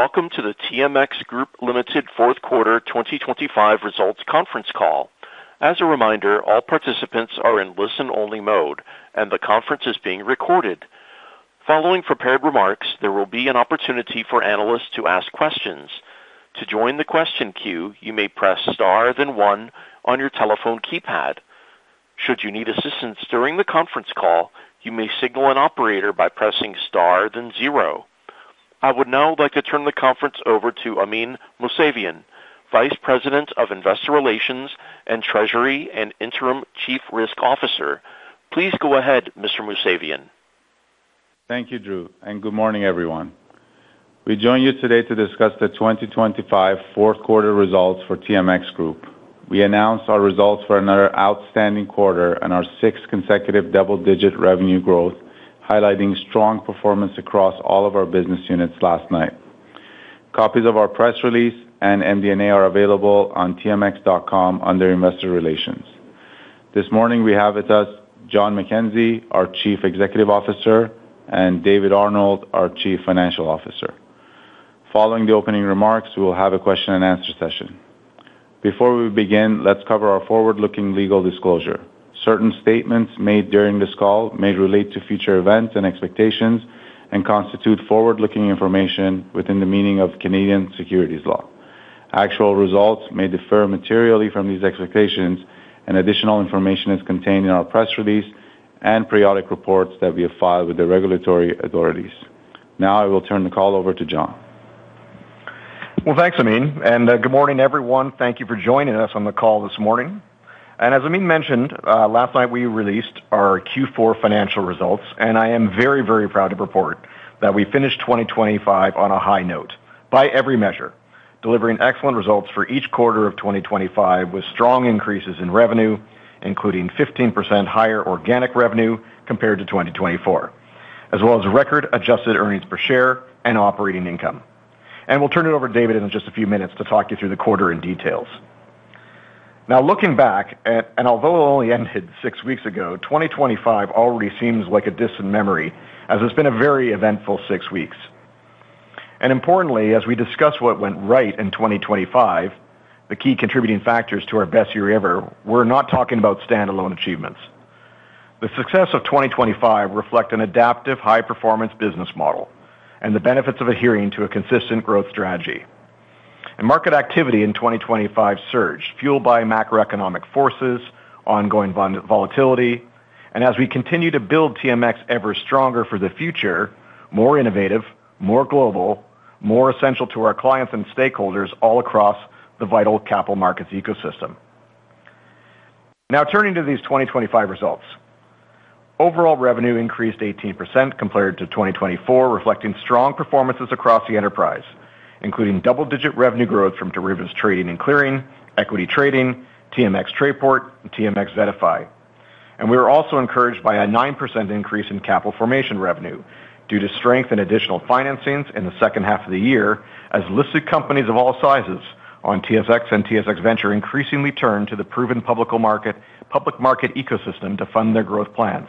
Welcome to the TMX Group Limited Fourth Quarter 2025 Results Conference Call. As a reminder, all participants are in listen-only mode, and the conference is being recorded. Following prepared remarks, there will be an opportunity for analysts to ask questions. To join the question queue, you may press star then one on your telephone keypad. Should you need assistance during the conference call, you may signal an operator by pressing star then zero. I would now like to turn the conference over to Amin Mousavian, Vice President of Investor Relations and Treasury and Interim Chief Risk Officer. Please go ahead, Mr. Mousavian. Thank you, Drew, and good morning, everyone. We join you today to discuss the 2025 fourth quarter results for TMX Group. We announced our results for another outstanding quarter and our sixth consecutive double-digit revenue growth, highlighting strong performance across all of our business units last night. Copies of our press release and MD&A are available on TMX.com under Investor Relations. This morning we have with us John McKenzie, our Chief Executive Officer, and David Arnold, our Chief Financial Officer. Following the opening remarks, we will have a question-and-answer session. Before we begin, let's cover our forward-looking legal disclosure. Certain statements made during this call may relate to future events and expectations and constitute forward-looking information within the meaning of Canadian securities law. Actual results may differ materially from these expectations, and additional information is contained in our press release and periodic reports that we have filed with the regulatory authorities. Now I will turn the call over to John. Well, thanks, Amin, and good morning, everyone. Thank you for joining us on the call this morning. As Amin mentioned, last night we released our Q4 financial results, and I am very, very proud to report that we finished 2025 on a high note by every measure, delivering excellent results for each quarter of 2025 with strong increases in revenue, including 15% higher organic revenue compared to 2024, as well as record-adjusted earnings per share and operating income. We'll turn it over to David in just a few minutes to talk you through the quarter in detail. Now, looking back, and although it only ended six weeks ago, 2025 already seems like a distant memory as it's been a very eventful six weeks. Importantly, as we discuss what went right in 2025, the key contributing factors to our best year ever, we're not talking about standalone achievements. The success of 2025 reflects an adaptive, high-performance business model and the benefits of adhering to a consistent growth strategy. Market activity in 2025 surged, fueled by macroeconomic forces, ongoing volatility, and as we continue to build TMX ever stronger for the future, more innovative, more global, more essential to our clients and stakeholders all across the vital capital markets ecosystem. Now turning to these 2025 results. Overall revenue increased 18% compared to 2024, reflecting strong performances across the enterprise, including double-digit revenue growth from Derivatives Trading & Clearing, equity trading, TMX Trayport, and TMX VettaFi. We were also encouraged by a 9% increase in Capital Formation revenue due to strength and additional financings in the second half of the year as listed companies of all sizes on TSX and TSX Venture increasingly turn to the proven public market ecosystem to fund their growth plans.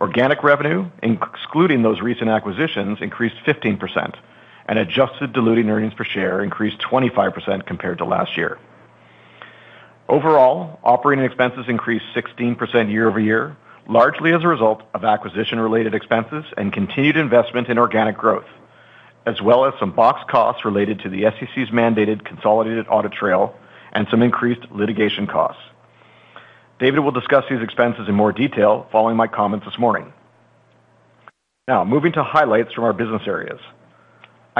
Organic revenue, excluding those recent acquisitions, increased 15%, and adjusted diluting earnings per share increased 25% compared to last year. Overall, operating expenses increased 16% year-over-year, largely as a result of acquisition-related expenses and continued investment in organic growth, as well as some box costs related to the SEC's mandated consolidated audit trail and some increased litigation costs. David will discuss these expenses in more detail following my comments this morning. Now moving to highlights from our business areas.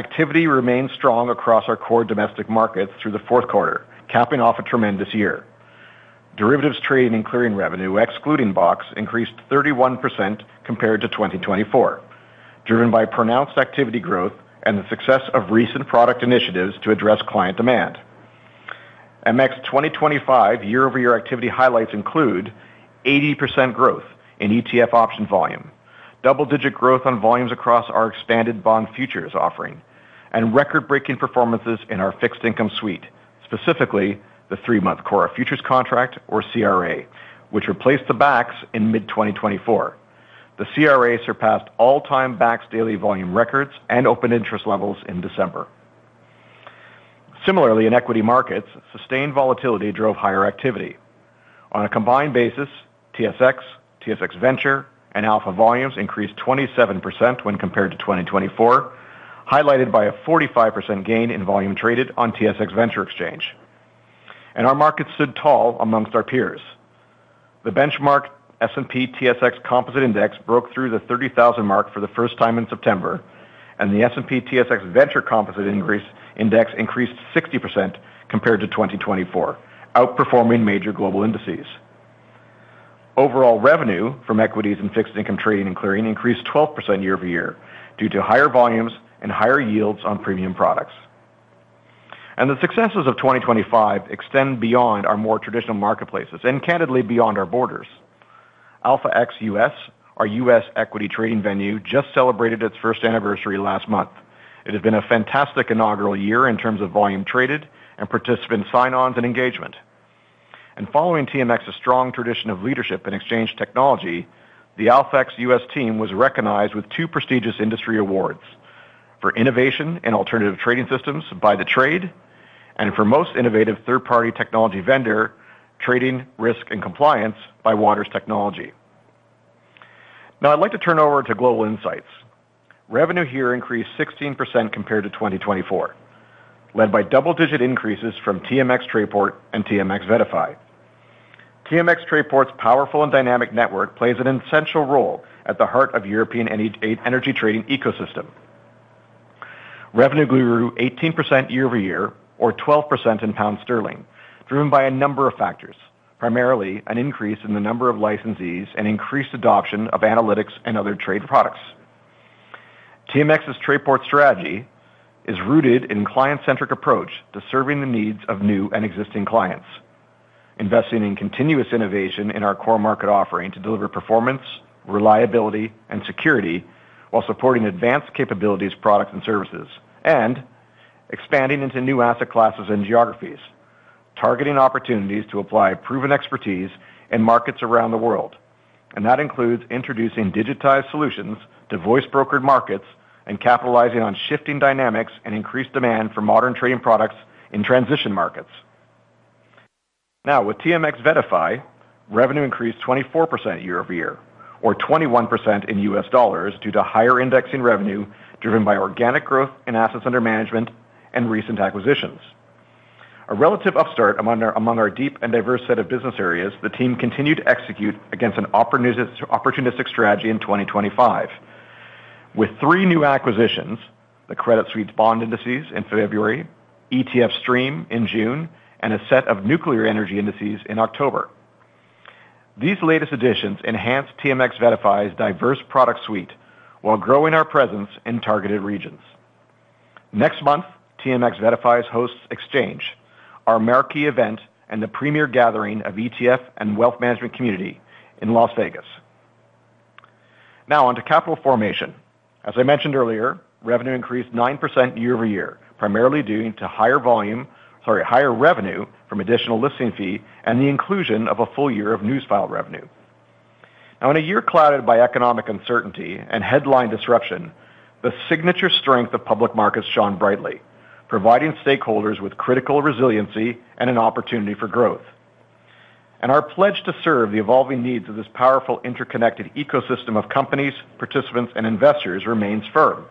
Activity remains strong across our core domestic markets through the fourth quarter, capping off a tremendous year. Derivatives Trading & Clearing revenue, excluding BOX, increased 31% compared to 2024, driven by pronounced activity growth and the success of recent product initiatives to address client demand. MX 2025 year-over-year activity highlights include 80% growth in ETF option volume, double-digit growth on volumes across our expanded bond futures offering, and record-breaking performances in our fixed-income suite, specifically the three-month CORRA Futures contract, or CRA, which replaced the BAX in mid-2024. The CRA surpassed all-time BAX daily volume records and open interest levels in December. Similarly, in equity markets, sustained volatility drove higher activity. On a combined basis, TSX, TSX Venture, and AlphaX volumes increased 27% when compared to 2024, highlighted by a 45% gain in volume traded on TSX Venture Exchange. Our markets stood tall among our peers. The benchmark S&P TSX Composite Index broke through the 30,000 mark for the first time in September, and the S&P TSX Venture Composite Index increased 60% compared to 2024, outperforming major global indices. Overall revenue Equities and Fixed Income Trading & Clearing increased 12% year over year due to higher volumes and higher yields on premium products. The successes of 2025 extend beyond our more traditional marketplaces, and candidly, beyond our borders. AlphaX US, our U.S. equity trading venue, just celebrated its first anniversary last month. It has been a fantastic inaugural year in terms of volume traded and participant sign-ons and engagement. Following TMX's strong tradition of leadership in exchange technology, the AlphaX US team was recognized with two prestigious industry awards: for innovation in alternative trading systems by The Trade and for most innovative third-party technology vendor, trading risk and compliance by Waters Technology. Now I'd like to turn over to Global Insights. Revenue here increased 16% compared to 2024, led by double-digit increases from TMX Trayport and TMX VettaFi. TMX Trayport's powerful and dynamic network plays an essential role at the heart of European energy trading ecosystem. Revenue grew 18% year-over-year, or 12% in pound sterling, driven by a number of factors, primarily an increase in the number of licensees and increased adoption of analytics and other trade products. TMX's Trayport strategy is rooted in a client-centric approach to serving the needs of new and existing clients, investing in continuous innovation in our core market offering to deliver performance, reliability, and security while supporting advanced capabilities, products, and services, and expanding into new asset classes and geographies, targeting opportunities to apply proven expertise in markets around the world. That includes introducing digitized solutions to voice brokered markets and capitalizing on shifting dynamics and increased demand for modern trading products in transition markets. Now with TMX VettaFi, revenue increased 24% year-over-year, or 21% in U.S. dollars due to higher indexing revenue driven by organic growth in assets under management and recent acquisitions. A relative upstart among our deep and diverse set of business areas, the team continued to execute against an opportunistic strategy in 2025 with three new acquisitions: the Credit Suisse's bond indices in February, ETF Stream in June, and a set of nuclear energy indices in October. These latest additions enhance TMX VettaFi's diverse product suite while growing our presence in targeted regions. Next month, TMX VettaFi hosts Exchange, our marquee event, and the premier gathering of ETF and wealth management community in Las Vegas. Now onto Capital Formation. As I mentioned earlier, revenue increased 9% year-over-year, primarily due to higher volume sorry, higher revenue from additional listing fee and the inclusion of a full year of Newsfile revenue. Now in a year clouded by economic uncertainty and headline disruption, the signature strength of public markets shone brightly, providing stakeholders with critical resiliency and an opportunity for growth. Our pledge to serve the evolving needs of this powerful interconnected ecosystem of companies, participants, and investors remains firm.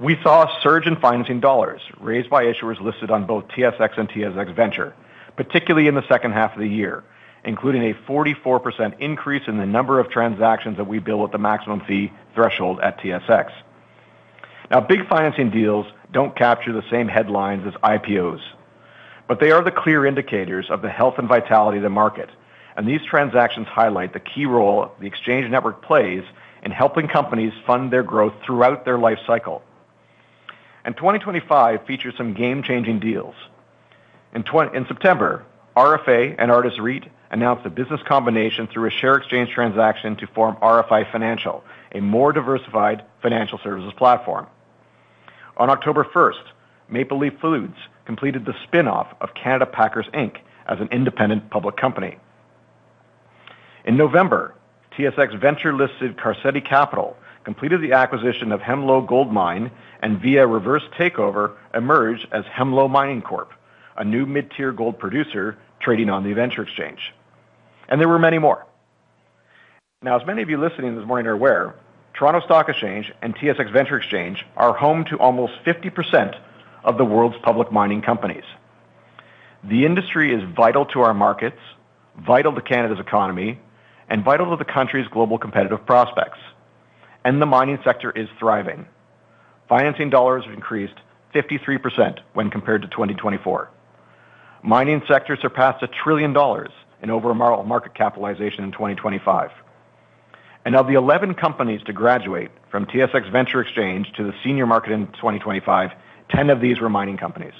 We saw a surge in financing dollars raised by issuers listed on both TSX and TSX Venture, particularly in the second half of the year, including a 44% increase in the number of transactions that we bill at the maximum fee threshold at TSX. Now big financing deals don't capture the same headlines as IPOs, but they are the clear indicators of the health and vitality of the market, and these transactions highlight the key role the exchange network plays in helping companies fund their growth throughout their lifecycle. 2025 features some game-changing deals. In September, RFA and Artis REIT announced a business combination through a share exchange transaction to form RFA Financial, a more diversified financial services platform. On October 1st, Maple Leaf Foods completed the spinoff of Canada Packers Inc., as an independent public company. In November, TSX Venture-listed Carcetti Capital completed the acquisition of Hemlo Gold Mine, and via reverse takeover, emerged as Hemlo Mining Corp, a new mid-tier gold producer trading on the venture exchange. There were many more. Now as many of you listening this morning are aware, Toronto Stock Exchange and TSX Venture Exchange are home to almost 50% of the world's public mining companies. The industry is vital to our markets, vital to Canada's economy, and vital to the country's global competitive prospects, and the mining sector is thriving. Financing dollars have increased 53% when compared to 2024. Mining sector surpassed 1 trillion dollars in overall market capitalization in 2025. And of the 11 companies to graduate from TSX Venture Exchange to the senior market in 2025, 10 of these were mining companies.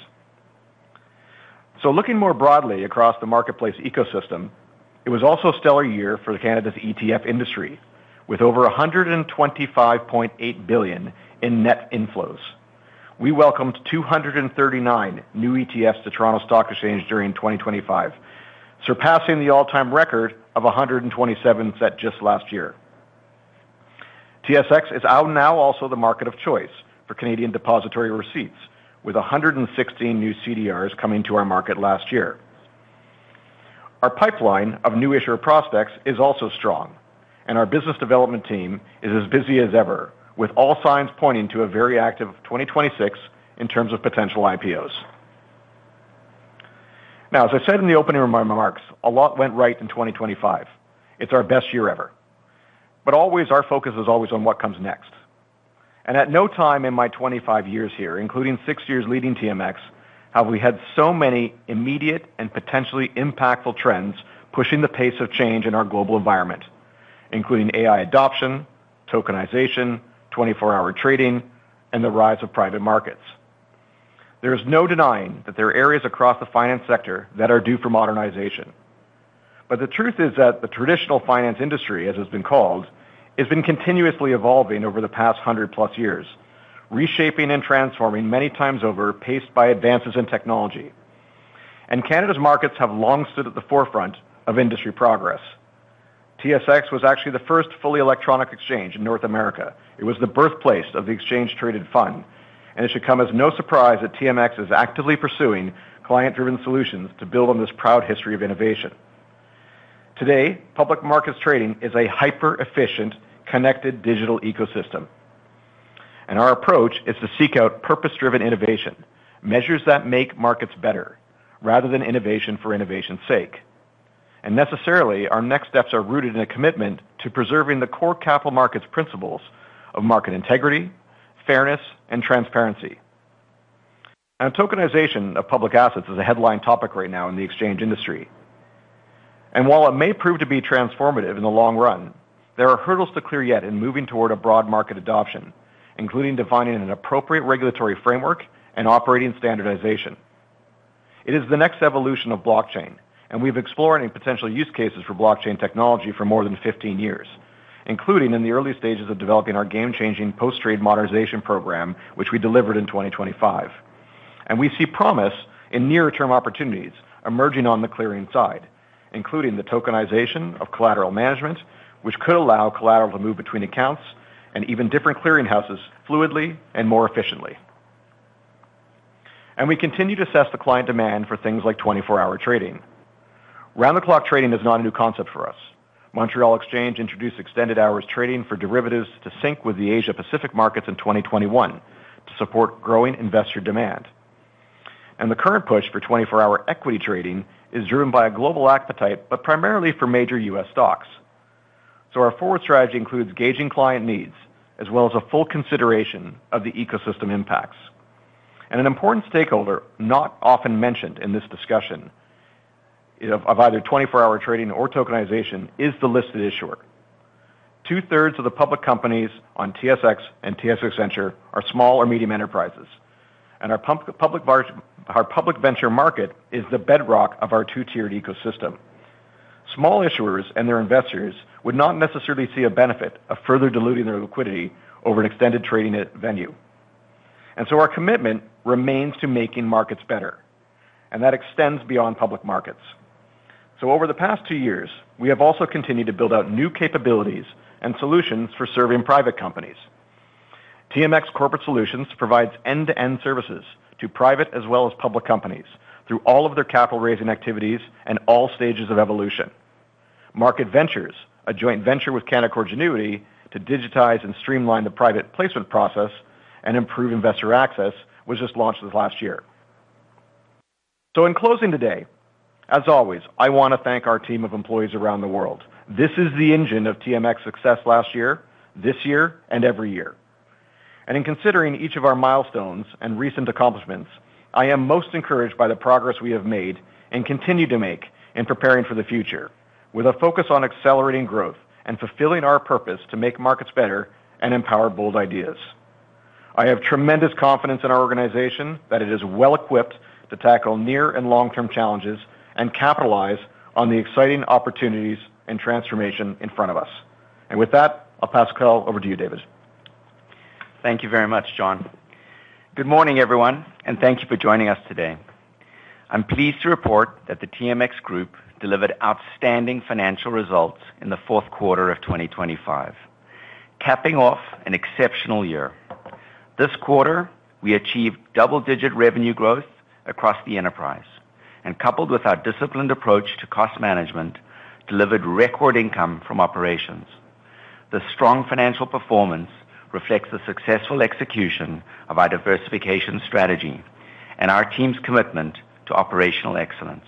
So looking more broadly across the marketplace ecosystem, it was also a stellar year for Canada's ETF industry with over 125.8 billion in net inflows. We welcomed 239 new ETFs to Toronto Stock Exchange during 2025, surpassing the all-time record of 127 set just last year. TSX is now also the market of choice for Canadian depository receipts, with 116 new CDRs coming to our market last year. Our pipeline of new issuer prospects is also strong, and our business development team is as busy as ever, with all signs pointing to a very active 2026 in terms of potential IPOs. Now as I said in the opening of my remarks, a lot went right in 2025. It's our best year ever. But always, our focus is always on what comes next. And at no time in my 25 years here, including six years leading TMX, have we had so many immediate and potentially impactful trends pushing the pace of change in our global environment, including AI adoption, tokenization, 24-hour trading, and the rise of private markets. There is no denying that there are areas across the finance sector that are due for modernization. The truth is that the traditional finance industry, as it's been called, has been continuously evolving over the past 100-plus years, reshaping and transforming many times over paced by advances in technology. Canada's markets have long stood at the forefront of industry progress. TSX was actually the first fully electronic exchange in North America. It was the birthplace of the exchange-traded fund, and it should come as no surprise that TMX is actively pursuing client-driven solutions to build on this proud history of innovation. Today, public markets trading is a hyper-efficient, connected digital ecosystem. Our approach is to seek out purpose-driven innovation, measures that make markets better, rather than innovation for innovation's sake. Necessarily, our next steps are rooted in a commitment to preserving the core capital markets principles of market integrity, fairness, and transparency. Now tokenization of public assets is a headline topic right now in the exchange industry. While it may prove to be transformative in the long run, there are hurdles to clear yet in moving toward a broad market adoption, including defining an appropriate regulatory framework and operating standardization. It is the next evolution of blockchain, and we've been exploring potential use cases for blockchain technology for more than 15 years, including in the early stages of developing our game-changing post-trade modernization program, which we delivered in 2025. We see promise in near-term opportunities emerging on the clearing side, including the tokenization of collateral management, which could allow collateral to move between accounts and even different clearinghouses fluidly and more efficiently. We continue to assess the client demand for things like 24-hour trading. Round-the-clock trading is not a new concept for us. Montreal Exchange introduced extended hours trading for Derivatives to sync with the Asia-Pacific markets in 2021 to support growing investor demand. The current push for 24-hour equity trading is driven by a global appetite but primarily for major U.S. stocks. Our forward strategy includes gauging client needs as well as a full consideration of the ecosystem impacts. An important stakeholder not often mentioned in this discussion of either 24-hour trading or tokenization is the listed issuer. Two-thirds of the public companies on TSX and TSX Venture are small or medium enterprises, and our public venture market is the bedrock of our two-tiered ecosystem. Small issuers and their investors would not necessarily see a benefit of further diluting their liquidity over an extended trading venue. So our commitment remains to making markets better, and that extends beyond public markets. So over the past two years, we have also continued to build out new capabilities and solutions for serving private companies. TMX Corporate Solutions provides end-to-end services to private as well as public companies through all of their capital-raising activities and all stages of evolution. Market Ventures, a joint venture with Canaccord Genuity to digitize and streamline the private placement process and improve investor access, was just launched this last year. So in closing today, as always, I want to thank our team of employees around the world. This is the engine of TMX's success last year, this year, and every year. And in considering each of our milestones and recent accomplishments, I am most encouraged by the progress we have made and continue to make in preparing for the future, with a focus on accelerating growth and fulfilling our purpose to make markets better and empower bold ideas. I have tremendous confidence in our organization that it is well-equipped to tackle near and long-term challenges and capitalize on the exciting opportunities and transformation in front of us. With that, I'll pass the call over to you, David. Thank you very much, John. Good morning, everyone, and thank you for joining us today. I'm pleased to report that the TMX Group delivered outstanding financial results in the fourth quarter of 2025, capping off an exceptional year. This quarter, we achieved double-digit revenue growth across the enterprise, and coupled with our disciplined approach to cost management, delivered record income from operations. The strong financial performance reflects the successful execution of our diversification strategy and our team's commitment to operational excellence.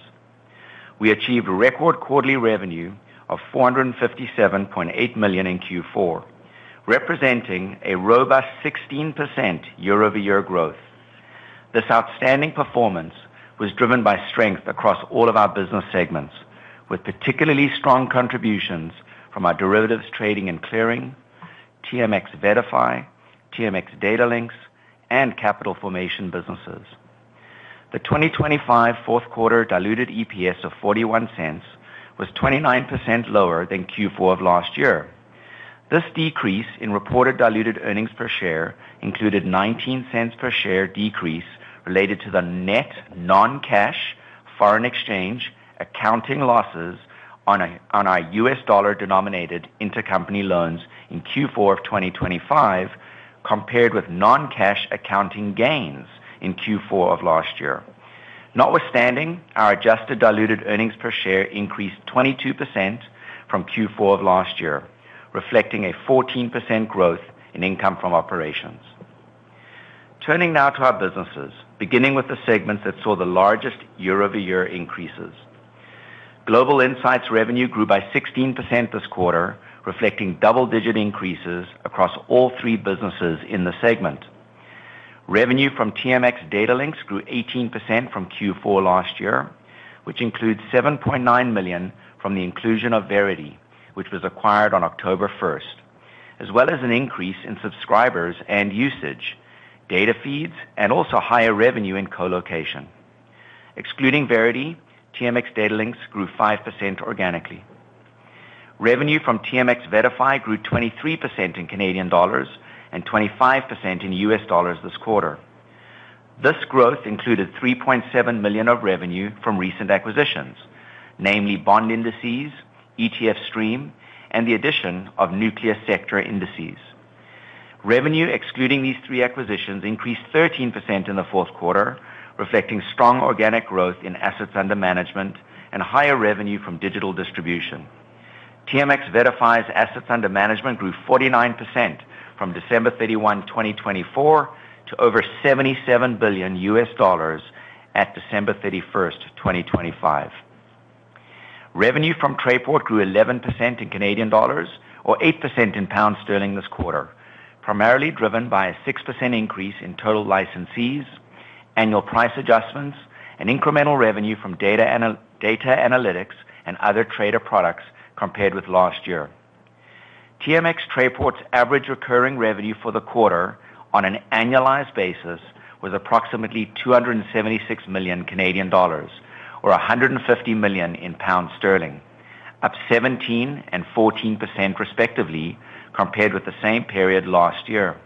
We achieved record quarterly revenue of 457.8 million in Q4, representing a robust 16% year-over-year growth. This outstanding performance was driven by strength across all of our business segments, with particularly strong contributions from our Derivatives Trading & Clearing, TMX VettaFi, TMX Datalinx, and Capital Formation businesses. The 2025 fourth-quarter diluted EPS of 0.41 was 29% lower than Q4 of last year. This decrease in reported diluted earnings per share included a 0.19 per share decrease related to the net non-cash foreign exchange accounting losses on our U.S. dollar-denominated intercompany loans in Q4 of 2025 compared with non-cash accounting gains in Q4 of last year. Notwithstanding, our adjusted diluted earnings per share increased 22% from Q4 of last year, reflecting a 14% growth in income from operations. Turning now to our businesses, beginning with the segments that saw the largest year-over-year increases. Global Insights revenue grew by 16% this quarter, reflecting double-digit increases across all three businesses in the segment. Revenue from TMX Datalinx grew 18% from Q4 last year, which includes 7.9 million from the inclusion of Verity, which was acquired on October 1st, as well as an increase in subscribers and usage, data feeds, and also higher revenue in colocation. Excluding Verity, TMX Datalinx grew 5% organically. Revenue from TMX VettaFi grew 23% in CAD and 25% in USD this quarter. This growth included 3.7 million of revenue from recent acquisitions, namely bond indices, ETF Stream, and the addition of nuclear sector indices. Revenue excluding these three acquisitions increased 13% in the fourth quarter, reflecting strong organic growth in assets under management and higher revenue from digital distribution. TMX VettaFi's assets under management grew 49% from December 31, 2024, to over $77 billion at December 31, 2025. Revenue from Trayport grew 11% in CAD or 8% in GBP this quarter, primarily driven by a 6% increase in total licensees, annual price adjustments, and incremental revenue from data analytics and other trader products compared with last year. TMX Trayport's average recurring revenue for the quarter on an annualized basis was approximately 276 million Canadian dollars or 150 million pounds, up 17% and 14% respectively compared with the same period last year.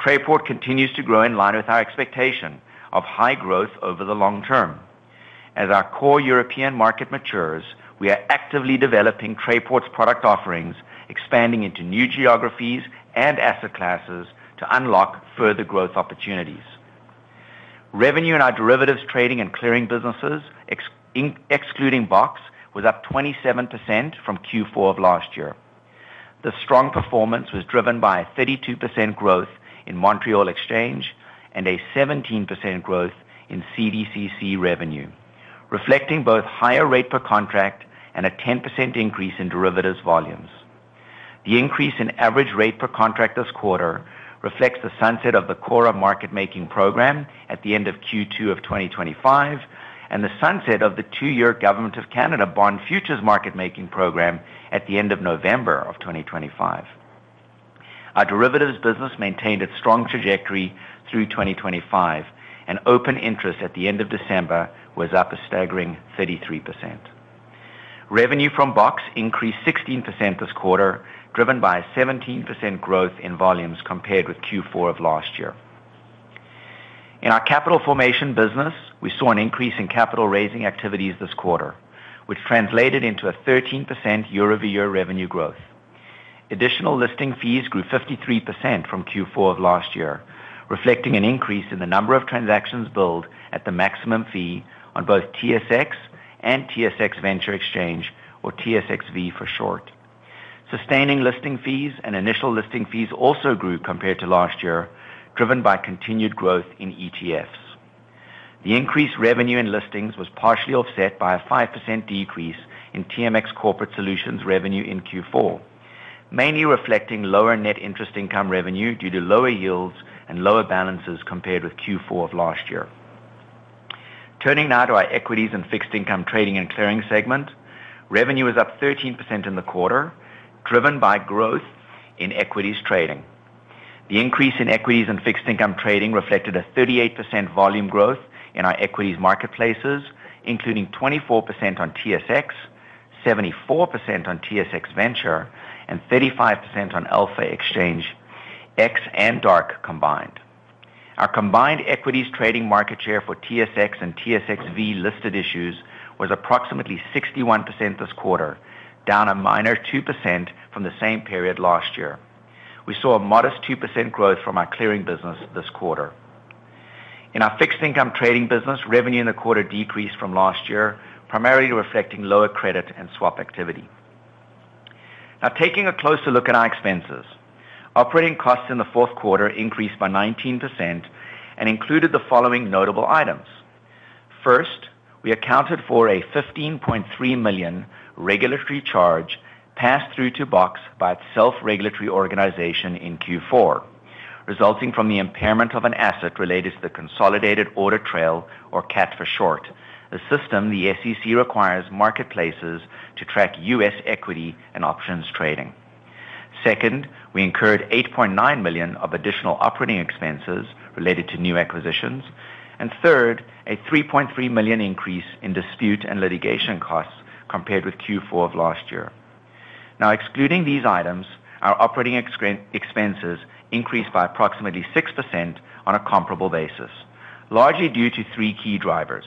Trayport continues to grow in line with our expectation of high growth over the long term. As our core European market matures, we are actively developing Trayport's product offerings, expanding into new geographies and asset classes to unlock further growth opportunities. Revenue in our Derivatives Trading & Clearing businesses, excluding BOX, was up 27% from Q4 of last year. The strong performance was driven by a 32% growth in Montreal Exchange and a 17% growth in CDCC revenue, reflecting both higher rate per contract and a 10% increase in Derivatives volumes. The increase in average rate per contract this quarter reflects the sunset of the CORRA market-making program at the end of Q2 of 2025 and the sunset of the two-year Government of Canada bond futures market-making program at the end of November of 2025. Our Derivatives business maintained its strong trajectory through 2025, and open interest at the end of December was up a staggering 33%. Revenue from BOX increased 16% this quarter, driven by a 17% growth in volumes compared with Q4 of last year. In our Capital Formation business, we saw an increase in capital-raising activities this quarter, which translated into a 13% year-over-year revenue growth. Additional listing fees grew 53% from Q4 of last year, reflecting an increase in the number of transactions billed at the maximum fee on both TSX and TSX Venture Exchange, or TSXV for short. Sustaining listing fees and initial listing fees also grew compared to last year, driven by continued growth in ETFs. The increased revenue in listings was partially offset by a 5% decrease in TMX Corporate Solutions revenue in Q4, mainly reflecting lower net interest income revenue due to lower yields and lower balances compared with Q4 of last year. Turning now to our Equities and Fixed Income Trading & Clearing segment, revenue was up 13% in the quarter, driven by growth in Equities Trading. The increase in Equities and Fixed Income Trading reflected a 38% volume growth in our equities marketplaces, including 24% on TSX, 74% on TSX Venture, and 35% on AlphaX and Dark combined. Our combined equities trading market share for TSX and TSXV listed issues was approximately 61% this quarter, down a minor 2% from the same period last year. We saw a modest 2% growth from our clearing business this quarter. In our fixed income trading business, revenue in the quarter decreased from last year, primarily reflecting lower credit and swap activity. Now, taking a closer look at our expenses, operating costs in the fourth quarter increased by 19% and included the following notable items. First, we accounted for a 15.3 million regulatory charge passed through to BOX by its self-regulatory organization in Q4, resulting from the impairment of an asset related to the Consolidated Audit Trail, or CAT for short, the system the SEC requires marketplaces to track U.S. equity and options trading. Second, we incurred 8.9 million of additional operating expenses related to new acquisitions. And third, a 3.3 million increase in dispute and litigation costs compared with Q4 of last year. Now, excluding these items, our operating expenses increased by approximately 6% on a comparable basis, largely due to three key drivers.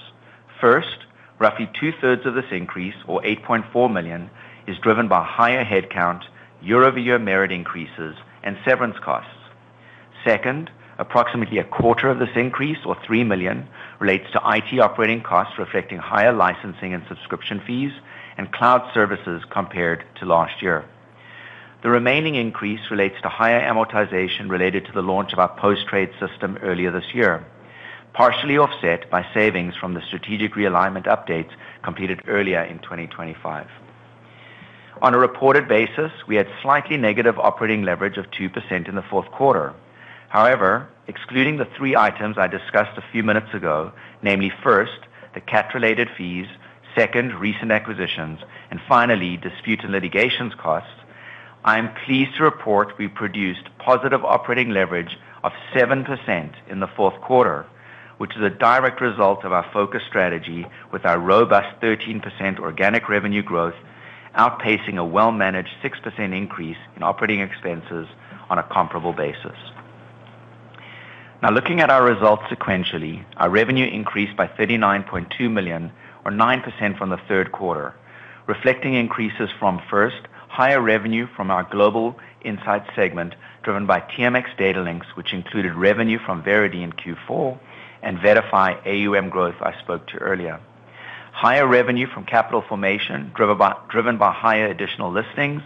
First, roughly two-thirds of this increase, or 8.4 million, is driven by higher headcount, year-over-year merit increases, and severance costs. Second, approximately a quarter of this increase, or 3 million, relates to IT operating costs reflecting higher licensing and subscription fees and cloud services compared to last year. The remaining increase relates to higher amortization related to the launch of our post-trade system earlier this year, partially offset by savings from the strategic realignment updates completed earlier in 2025. On a reported basis, we had slightly negative operating leverage of 2% in the fourth quarter. However, excluding the three items I discussed a few minutes ago, namely first, the CAT-related fees, second, recent acquisitions, and finally, dispute and litigations costs, I am pleased to report we produced positive operating leverage of 7% in the fourth quarter, which is a direct result of our focused strategy with our robust 13% organic revenue growth outpacing a well-managed 6% increase in operating expenses on a comparable basis. Now, looking at our results sequentially, our revenue increased by 39.2 million, or 9% from the third quarter, reflecting increases from first, higher revenue from our Global Insights segment driven by TMX Datalinx, which included revenue from Verity in Q4, and VettaFi AUM growth I spoke to earlier. Higher revenue from Capital Formation driven by higher additional listings.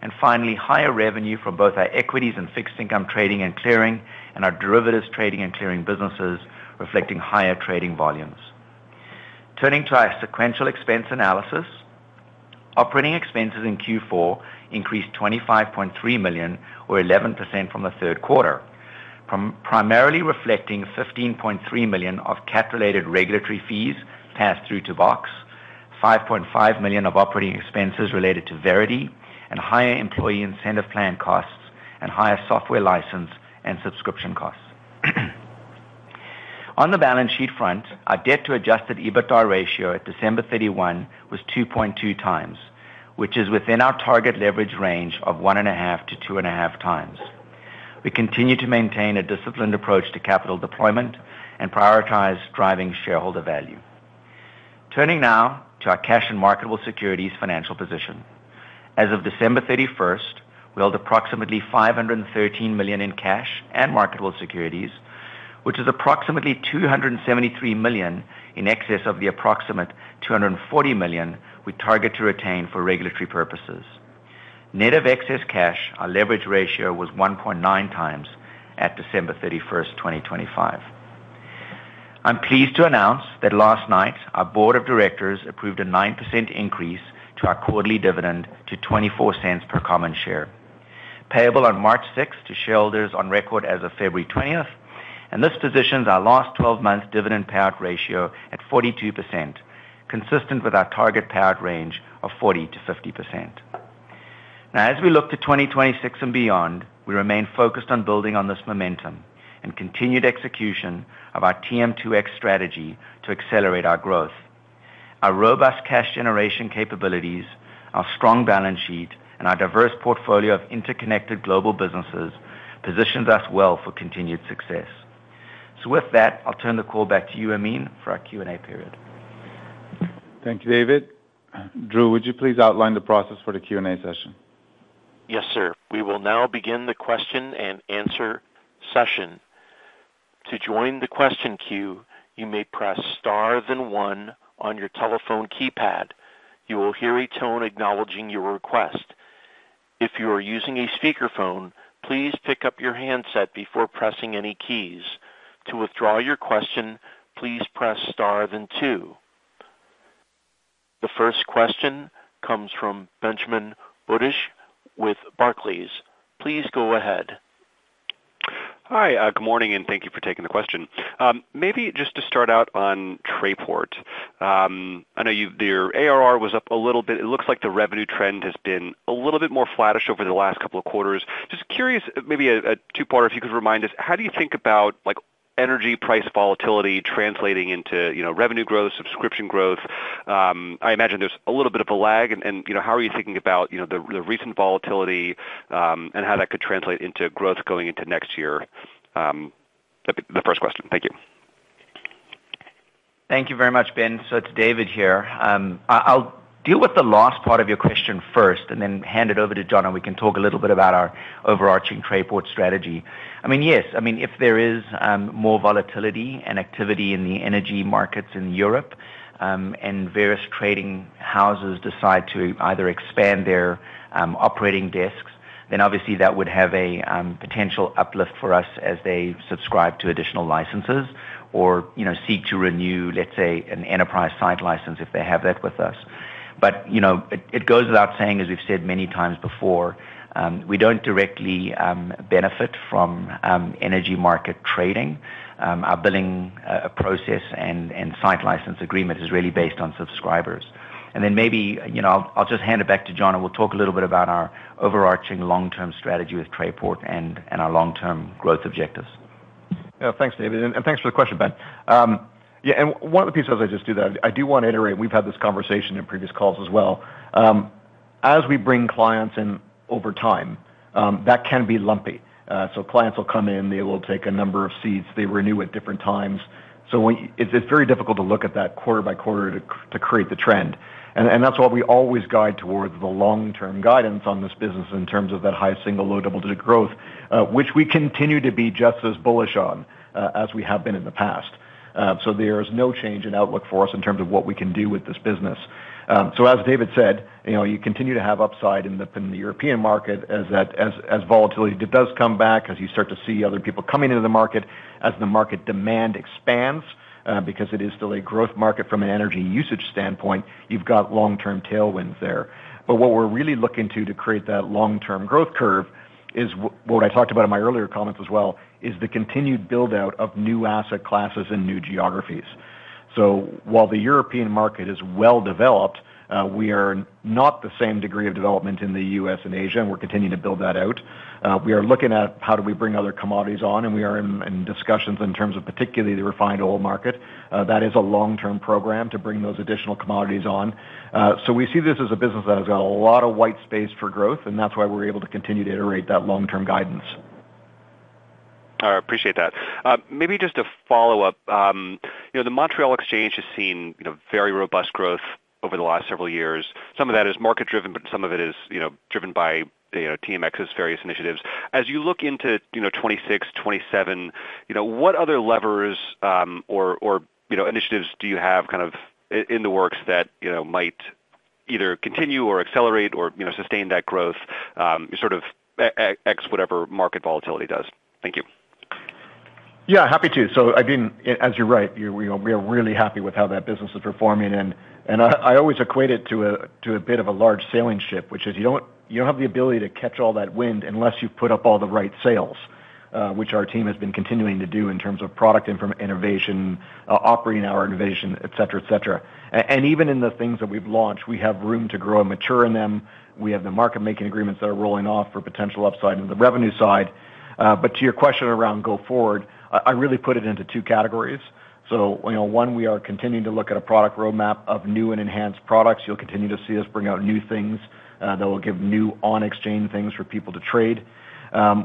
And finally, higher revenue from both our Equities and Fixed Income Trading & Clearing and our Derivatives Trading & Clearing businesses reflecting higher trading volumes. Turning to our sequential expense analysis, operating expenses in Q4 increased 25.3 million, or 11% from the third quarter, primarily reflecting 15.3 million of CAT-related regulatory fees passed through to BOX, 5.5 million of operating expenses related to Verity, and higher employee incentive plan costs and higher software license and subscription costs. On the balance sheet front, our debt-to-adjusted EBITDA ratio at December 31 was 2.2x, which is within our target leverage range of 1.5x-2.5x. We continue to maintain a disciplined approach to capital deployment and prioritize driving shareholder value. Turning now to our cash and marketable securities financial position. As of December 31, we hold approximately 513 million in cash and marketable securities, which is approximately 273 million in excess of the approximate 240 million we target to retain for regulatory purposes. Net of excess cash, our leverage ratio was 1.9x at December 31, 2025. I'm pleased to announce that last night, our board of directors approved a 9% increase to our quarterly dividend to 0.24 per common share, payable on March 6 to shareholders on record as of February 20. This positions our last 12-month dividend payout ratio at 42%, consistent with our target payout range of 40%-50%. Now, as we look to 2026 and beyond, we remain focused on building on this momentum and continued execution of our TM2X strategy to accelerate our growth. Our robust cash generation capabilities, our strong balance sheet, and our diverse portfolio of interconnected global businesses position us well for continued success. With that, I'll turn the call back to you, Amin, for our Q&A period. Thank you, David. Drew, would you please outline the process for the Q&A session? Yes, sir. We will now begin the question-and-answer session. To join the question queue, you may press star then one on your telephone keypad. You will hear a tone acknowledging your request. If you are using a speakerphone, please pick up your handset before pressing any keys. To withdraw your question, please press star then two. The first question comes from Benjamin Budish with Barclays. Please go ahead. Hi. Good morning, and thank you for taking the question. Maybe just to start out on Trayport, I know your ARR was up a little bit. It looks like the revenue trend has been a little bit more flattish over the last couple of quarters. Just curious, maybe a two-parter, if you could remind us, how do you think about energy price volatility translating into revenue growth, subscription growth? I imagine there's a little bit of a lag. How are you thinking about the recent volatility and how that could translate into growth going into next year? That'd be the first question. Thank you. Thank you very much, Ben. So it's David here. I'll deal with the last part of your question first and then hand it over to John, and we can talk a little bit about our overarching Trayport strategy. I mean, yes. I mean, if there is more volatility and activity in the energy markets in Europe and various trading houses decide to either expand their operating desks, then obviously that would have a potential uplift for us as they subscribe to additional licenses or seek to renew, let's say, an enterprise-side license if they have that with us. But it goes without saying, as we've said many times before, we don't directly benefit from energy market trading. Our billing process and site license agreement is really based on subscribers. And then maybe I'll just hand it back to John, and we'll talk a little bit about our overarching long-term strategy with Trayport and our long-term growth objectives. Yeah. Thanks, David. And thanks for the question, Ben. Yeah. And one of the pieces, as I just do that, I do want to iterate. We've had this conversation in previous calls as well. As we bring clients in over time, that can be lumpy. So clients will come in. They will take a number of seats. They renew at different times. So it's very difficult to look at that quarter by quarter to create the trend. And that's why we always guide towards the long-term guidance on this business in terms of that high single low double digit growth, which we continue to be just as bullish on as we have been in the past. So there is no change in outlook for us in terms of what we can do with this business. So as David said, you continue to have upside in the European market as volatility does come back, as you start to see other people coming into the market, as the market demand expands because it is still a growth market from an energy usage standpoint, you've got long-term tailwinds there. But what we're really looking to to create that long-term growth curve is what I talked about in my earlier comments as well, is the continued buildout of new asset classes and new geographies. So while the European market is well developed, we are not the same degree of development in the U.S. and Asia, and we're continuing to build that out. We are looking at how do we bring other commodities on, and we are in discussions in terms of particularly the refined oil market. That is a long-term program to bring those additional commodities on. We see this as a business that has got a lot of white space for growth, and that's why we're able to continue to iterate that long-term guidance. All right. Appreciate that. Maybe just a follow-up. The Montreal Exchange has seen very robust growth over the last several years. Some of that is market-driven, but some of it is driven by TMX's various initiatives. As you look into 2026, 2027, what other levers or initiatives do you have kind of in the works that might either continue or accelerate or sustain that growth, sort of X whatever market volatility does? Thank you. Yeah. Happy to. So I mean, as you're right, we are really happy with how that business is performing. And I always equate it to a bit of a large sailing ship, which is you don't have the ability to catch all that wind unless you've put up all the right sails, which our team has been continuing to do in terms of product innovation, operating hour innovation, etc., etc. And even in the things that we've launched, we have room to grow and mature in them. We have the market-making agreements that are rolling off for potential upside on the revenue side. But to your question around going forward, I really put it into two categories. So one, we are continuing to look at a product roadmap of new and enhanced products. You'll continue to see us bring out new things that will give new on-exchange things for people to trade.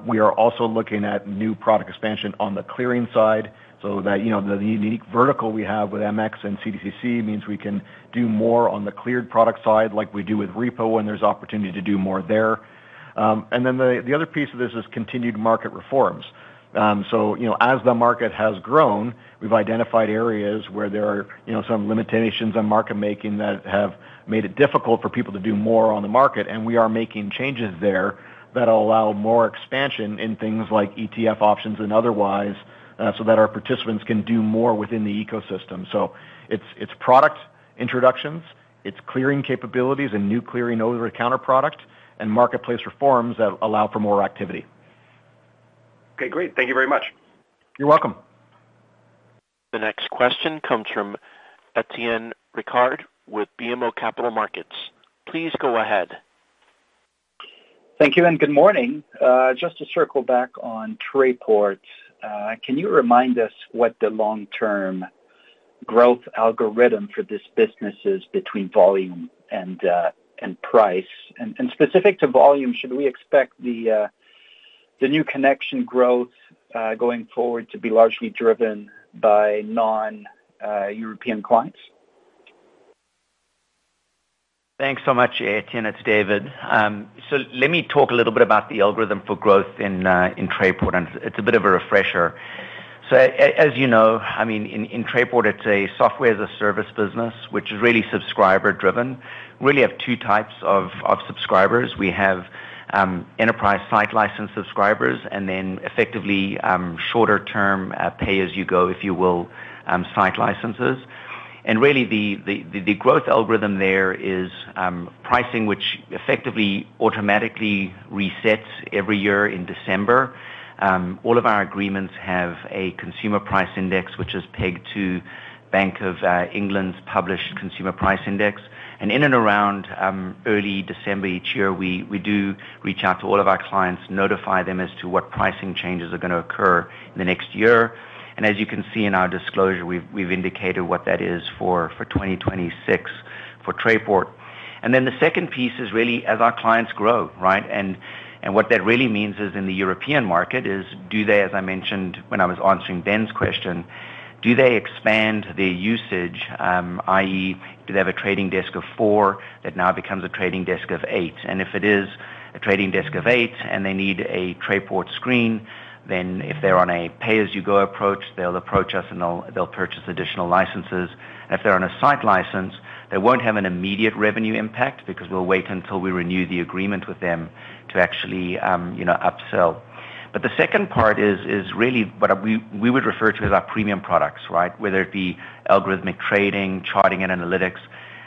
We are also looking at new product expansion on the clearing side. So the unique vertical we have with MX and CDCC means we can do more on the cleared product side like we do with repo when there's opportunity to do more there. And then the other piece of this is continued market reforms. So as the market has grown, we've identified areas where there are some limitations on market-making that have made it difficult for people to do more on the market. And we are making changes there that will allow more expansion in things like ETF options and otherwise so that our participants can do more within the ecosystem. It's product introductions, it's clearing capabilities and new clearing over-the-counter product, and marketplace reforms that allow for more activity. Okay. Great. Thank you very much. You're welcome. The next question comes from Étienne Ricard with BMO Capital Markets. Please go ahead. Thank you, and good morning. Just to circle back on Trayport, can you remind us what the long-term growth algorithm for this business is between volume and price? And specific to volume, should we expect the new connection growth going forward to be largely driven by non-European clients? Thanks so much, Etienne. It's David. So let me talk a little bit about the algorithm for growth in Trayport, and it's a bit of a refresher. So as you know, I mean, in Trayport, it's a software-as-a-service business, which is really subscriber-driven. We really have two types of subscribers. We have enterprise-site license subscribers and then effectively shorter-term pay-as-you-go, if you will, site licenses. And really, the growth algorithm there is pricing, which effectively automatically resets every year in December. All of our agreements have a consumer price index, which is pegged to Bank of England's published consumer price index. And in and around early December each year, we do reach out to all of our clients, notify them as to what pricing changes are going to occur in the next year. And as you can see in our disclosure, we've indicated what that is for 2026 for Trayport. And then the second piece is really as our clients grow, right? And what that really means is in the European market is do they, as I mentioned when I was answering Ben's question, do they expand their usage, i.e., do they have a trading desk of four that now becomes a trading desk of eight? And if it is a trading desk of eight and they need a Trayport screen, then if they're on a pay-as-you-go approach, they'll approach us and they'll purchase additional licenses. And if they're on a site license, they won't have an immediate revenue impact because we'll wait until we renew the agreement with them to actually upsell. But the second part is really what we would refer to as our premium products, right? Whether it be algorithmic trading, charting, and analytics,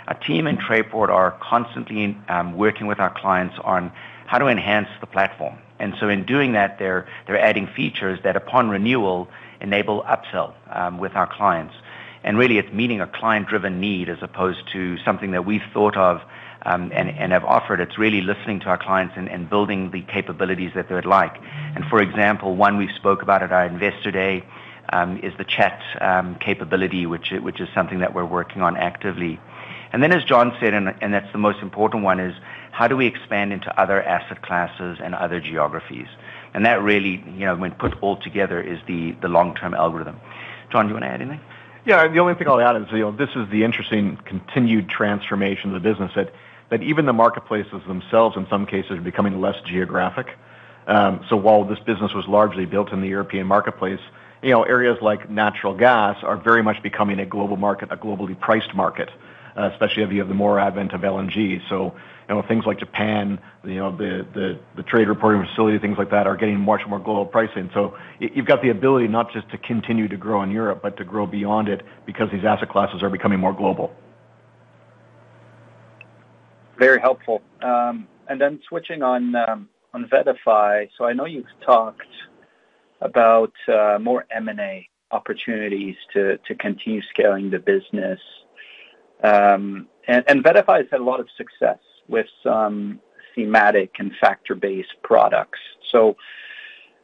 our team in Trayport are constantly working with our clients on how to enhance the platform. And so in doing that, they're adding features that, upon renewal, enable upsell with our clients. And really, it's meeting a client-driven need as opposed to something that we've thought of and have offered. It's really listening to our clients and building the capabilities that they would like. And for example, one we spoke about at our investor day is the chat capability, which is something that we're working on actively. And then, as John said, and that's the most important one, is how do we expand into other asset classes and other geographies? And that really, when put all together, is the long-term algorithm. John, do you want to add anything? Yeah. The only thing I'll add is this is the interesting continued transformation of the business, that even the marketplaces themselves, in some cases, are becoming less geographic. So while this business was largely built in the European marketplace, areas like natural gas are very much becoming a global priced market, especially if you have the advent of LNG. So things like Japan, the trade reporting facility, things like that are getting much more global pricing. So you've got the ability not just to continue to grow in Europe but to grow beyond it because these asset classes are becoming more global. Very helpful. Then switching on VettaFi. I know you've talked about more M&A opportunities to continue scaling the business. VettaFi has had a lot of success with some thematic and factor-based products.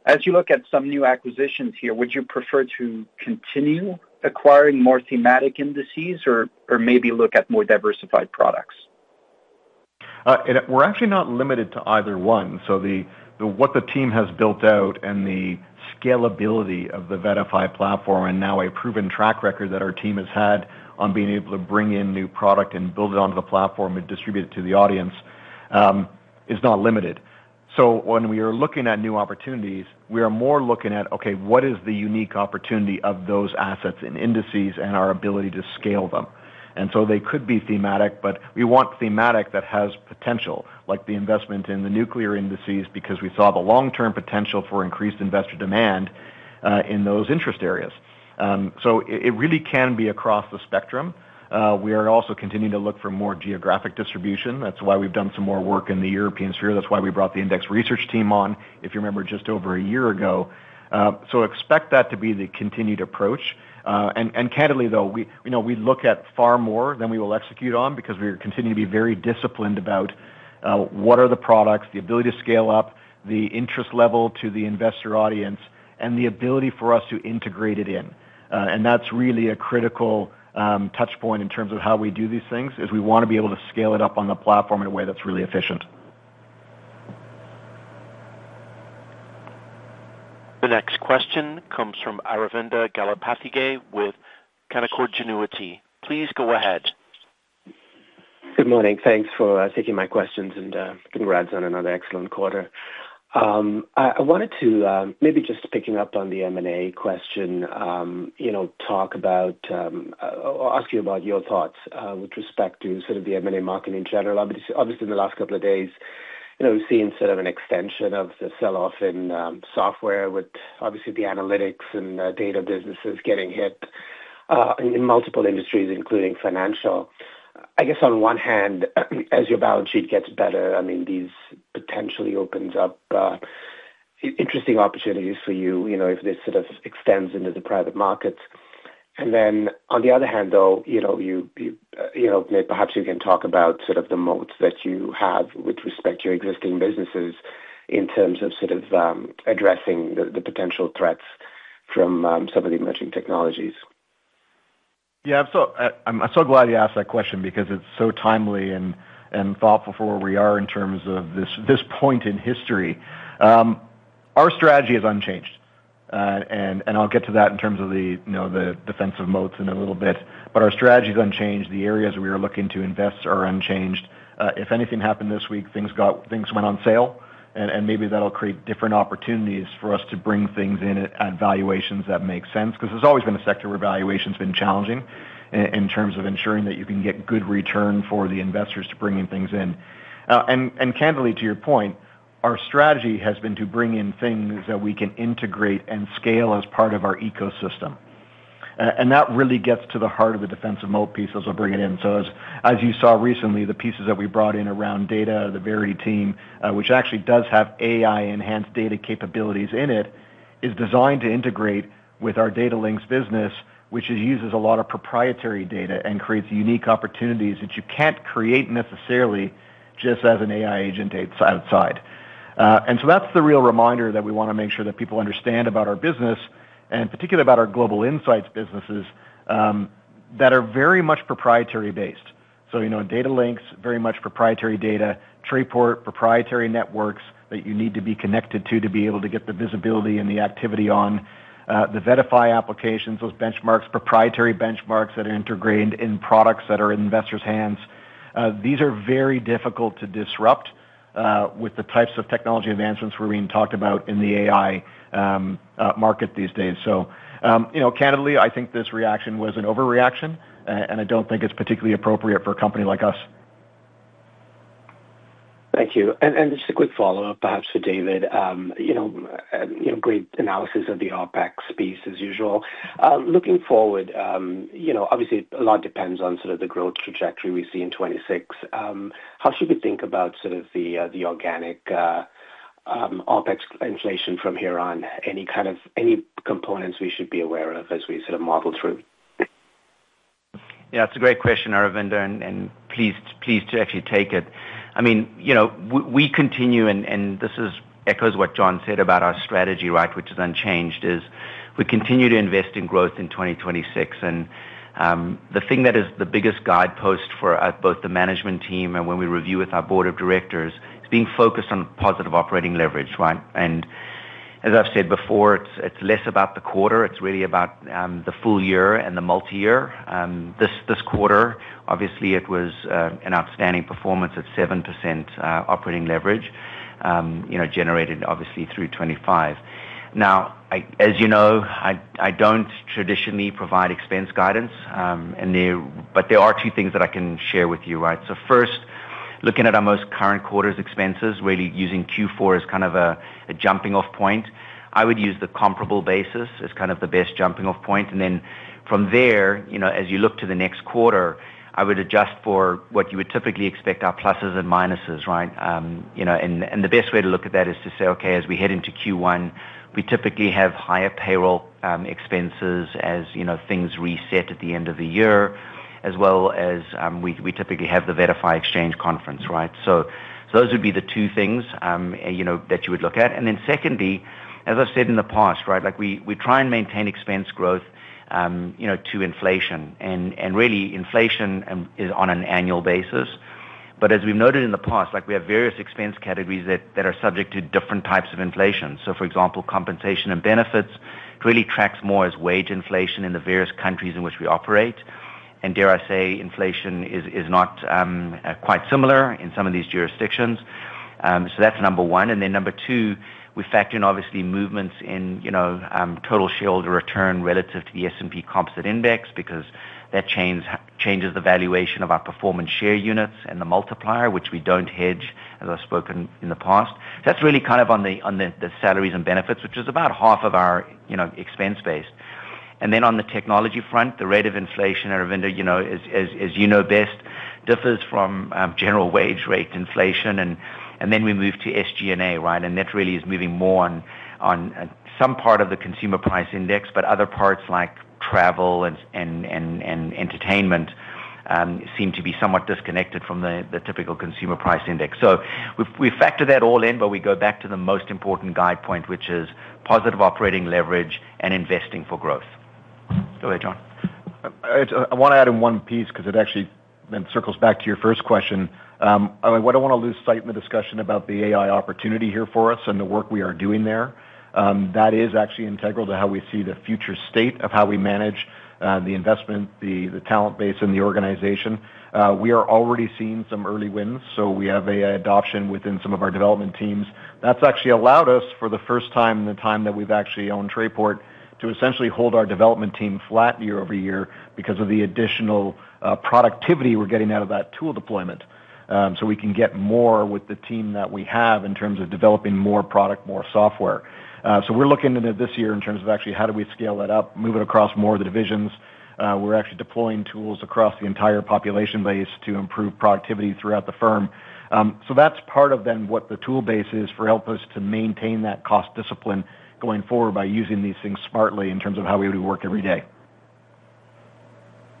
As you look at some new acquisitions here, would you prefer to continue acquiring more thematic indices or maybe look at more diversified products? We're actually not limited to either one. So what the team has built out and the scalability of the VettaFi platform and now a proven track record that our team has had on being able to bring in new product and build it onto the platform and distribute it to the audience is not limited. So when we are looking at new opportunities, we are more looking at, okay, what is the unique opportunity of those assets and indices and our ability to scale them? And so they could be thematic, but we want thematic that has potential, like the investment in the nuclear indices because we saw the long-term potential for increased investor demand in those interest areas. So it really can be across the spectrum. We are also continuing to look for more geographic distribution. That's why we've done some more work in the European sphere. That's why we brought the index research team on, if you remember, just over a year ago. So expect that to be the continued approach. And candidly, though, we look at far more than we will execute on because we continue to be very disciplined about what are the products, the ability to scale up, the interest level to the investor audience, and the ability for us to integrate it in. And that's really a critical touchpoint in terms of how we do these things, is we want to be able to scale it up on the platform in a way that's really efficient. The next question comes from Aravinda Galappatthige with Canaccord Genuity. Please go ahead. Good morning. Thanks for taking my questions, and congrats on another excellent quarter. I wanted to, maybe just picking up on the M&A question, talk about or ask you about your thoughts with respect to sort of the M&A market in general. Obviously, in the last couple of days, we've seen sort of an extension of the selloff in software with obviously the analytics and data businesses getting hit in multiple industries, including financial. I guess on one hand, as your balance sheet gets better, I mean, this potentially opens up interesting opportunities for you if this sort of extends into the private markets. And then on the other hand, though, perhaps you can talk about sort of the moats that you have with respect to your existing businesses in terms of sort of addressing the potential threats from some of the emerging technologies. Yeah. I'm so glad you asked that question because it's so timely and thoughtful for where we are in terms of this point in history. Our strategy is unchanged, and I'll get to that in terms of the defensive moats in a little bit. But our strategy is unchanged. The areas we are looking to invest are unchanged. If anything happened this week, things went on sale, and maybe that'll create different opportunities for us to bring things in at valuations that make sense because there's always been a sector where valuation's been challenging in terms of ensuring that you can get good return for the investors to bring in things in. And candidly, to your point, our strategy has been to bring in things that we can integrate and scale as part of our ecosystem. And that really gets to the heart of the defensive moat pieces we'll bring it in. So as you saw recently, the pieces that we brought in around data, the Verity team, which actually does have AI-enhanced data capabilities in it, is designed to integrate with our Datalinx business, which uses a lot of proprietary data and creates unique opportunities that you can't create necessarily just as an AI agent outside. And so that's the real reminder that we want to make sure that people understand about our business, and particularly about our Global Insights businesses, that are very much proprietary-based. So Datalinx, very much proprietary data. Trayport, proprietary networks that you need to be connected to to be able to get the visibility and the activity on. The VettaFi applications, those benchmarks, proprietary benchmarks that are integrated in products that are in investors' hands. These are very difficult to disrupt with the types of technology advancements we're being talked about in the AI market these days. So candidly, I think this reaction was an overreaction, and I don't think it's particularly appropriate for a company like us. Thank you. Just a quick follow-up, perhaps, for David. Great analysis of the OpEx space, as usual. Looking forward, obviously, a lot depends on sort of the growth trajectory we see in 2026. How should we think about sort of the organic OpEx inflation from here on? Any components we should be aware of as we sort of model through? Yeah. It's a great question, Aravinda, and pleased to actually take it. I mean, we continue, and this echoes what John said about our strategy, right, which is unchanged, is we continue to invest in growth in 2026. The thing that is the biggest guidepost for both the management team and when we review with our board of directors is being focused on positive operating leverage, right? As I've said before, it's less about the quarter. It's really about the full year and the multi-year. This quarter, obviously, it was an outstanding performance at 7% operating leverage generated, obviously, through 2025. Now, as you know, I don't traditionally provide expense guidance, but there are two things that I can share with you, right? First, looking at our most current quarter's expenses, really using Q4 as kind of a jumping-off point, I would use the comparable basis as kind of the best jumping-off point. Then from there, as you look to the next quarter, I would adjust for what you would typically expect, our pluses and minuses, right? And the best way to look at that is to say, okay, as we head into Q1, we typically have higher payroll expenses as things reset at the end of the year, as well as we typically have the VettaFi Exchange Conference, right? So those would be the two things that you would look at. And then secondly, as I've said in the past, right, we try and maintain expense growth to inflation. And really, inflation is on an annual basis. But as we've noted in the past, we have various expense categories that are subject to different types of inflation. So for example, compensation and benefits, it really tracks more as wage inflation in the various countries in which we operate. And dare I say, inflation is not quite similar in some of these jurisdictions. So that's number one. And then number two, we factor in, obviously, movements in total shareholder return relative to the S&P Composite Index because that changes the valuation of our performance share units and the multiplier, which we don't hedge, as I've spoken in the past. So that's really kind of on the salaries and benefits, which is about half of our expense-based. And then on the technology front, the rate of inflation, Aravinda, as you know best, differs from general wage rate inflation. And then we move to SG&A, right? That really is moving more on some part of the Consumer Price Index, but other parts like travel and entertainment seem to be somewhat disconnected from the typical consumer price index. We factor that all in, but we go back to the most important guidepost, which is positive operating leverage and investing for growth. Go ahead, John. I want to add in one piece because it actually then circles back to your first question. I don't want to lose sight in the discussion about the AI opportunity here for us and the work we are doing there. That is actually integral to how we see the future state of how we manage the investment, the talent base, and the organization. We are already seeing some early wins. So we have an adoption within some of our development teams. That's actually allowed us, for the first time in the time that we've actually owned Trayport, to essentially hold our development team flat year over year because of the additional productivity we're getting out of that tool deployment. So we can get more with the team that we have in terms of developing more product, more software. So we're looking into this year in terms of actually how do we scale that up, move it across more of the divisions. We're actually deploying tools across the entire population base to improve productivity throughout the firm. So that's part of then what the tool base is for help us to maintain that cost discipline going forward by using these things smartly in terms of how we would work every day.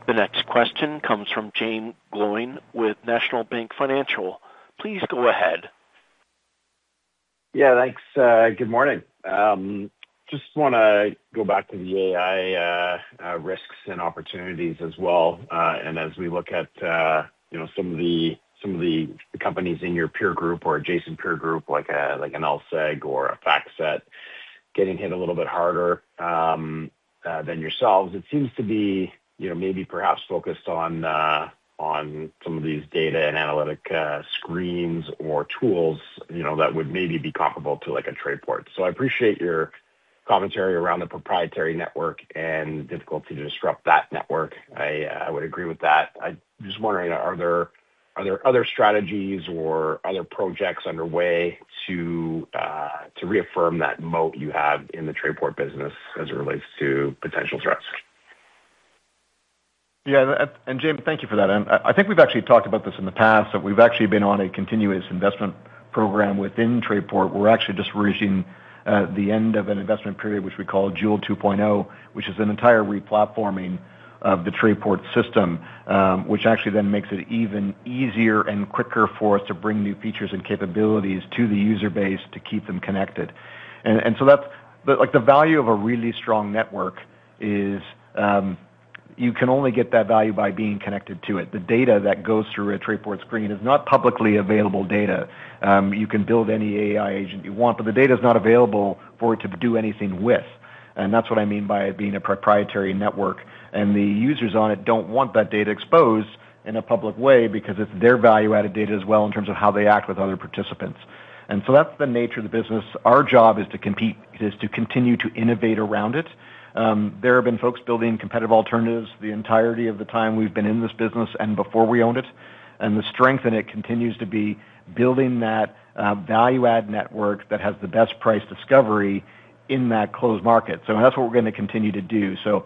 The next question comes from Jaeme Gloyn with National Bank Financial. Please go ahead. Yeah. Thanks. Good morning. Just want to go back to the AI risks and opportunities as well. And as we look at some of the companies in your peer group or adjacent peer group, like an LSEG or a FactSet, getting hit a little bit harder than yourselves, it seems to be maybe perhaps focused on some of these data and analytic screens or tools that would maybe be comparable to a Trayport. So I appreciate your commentary around the proprietary network and difficulty to disrupt that network. I would agree with that. I'm just wondering, are there other strategies or other projects underway to reaffirm that moat you have in the Trayport business as it relates to potential threats? Yeah. And Jaeme, thank you for that. And I think we've actually talked about this in the past, but we've actually been on a continuous investment program within Trayport. We're actually just reaching the end of an investment period, which we call Joule 2.0, which is an entire replatforming of the Trayport system, which actually then makes it even easier and quicker for us to bring new features and capabilities to the user base to keep them connected. And so the value of a really strong network is you can only get that value by being connected to it. The data that goes through a Trayport screen is not publicly available data. You can build any AI agent you want, but the data is not available for it to do anything with. And that's what I mean by it being a proprietary network. The users on it don't want that data exposed in a public way because it's their value-added data as well in terms of how they act with other participants. So that's the nature of the business. Our job is to compete is to continue to innovate around it. There have been folks building competitive alternatives the entirety of the time we've been in this business and before we owned it. The strength in it continues to be building that value-added network that has the best price discovery in that closed market. So that's what we're going to continue to do. So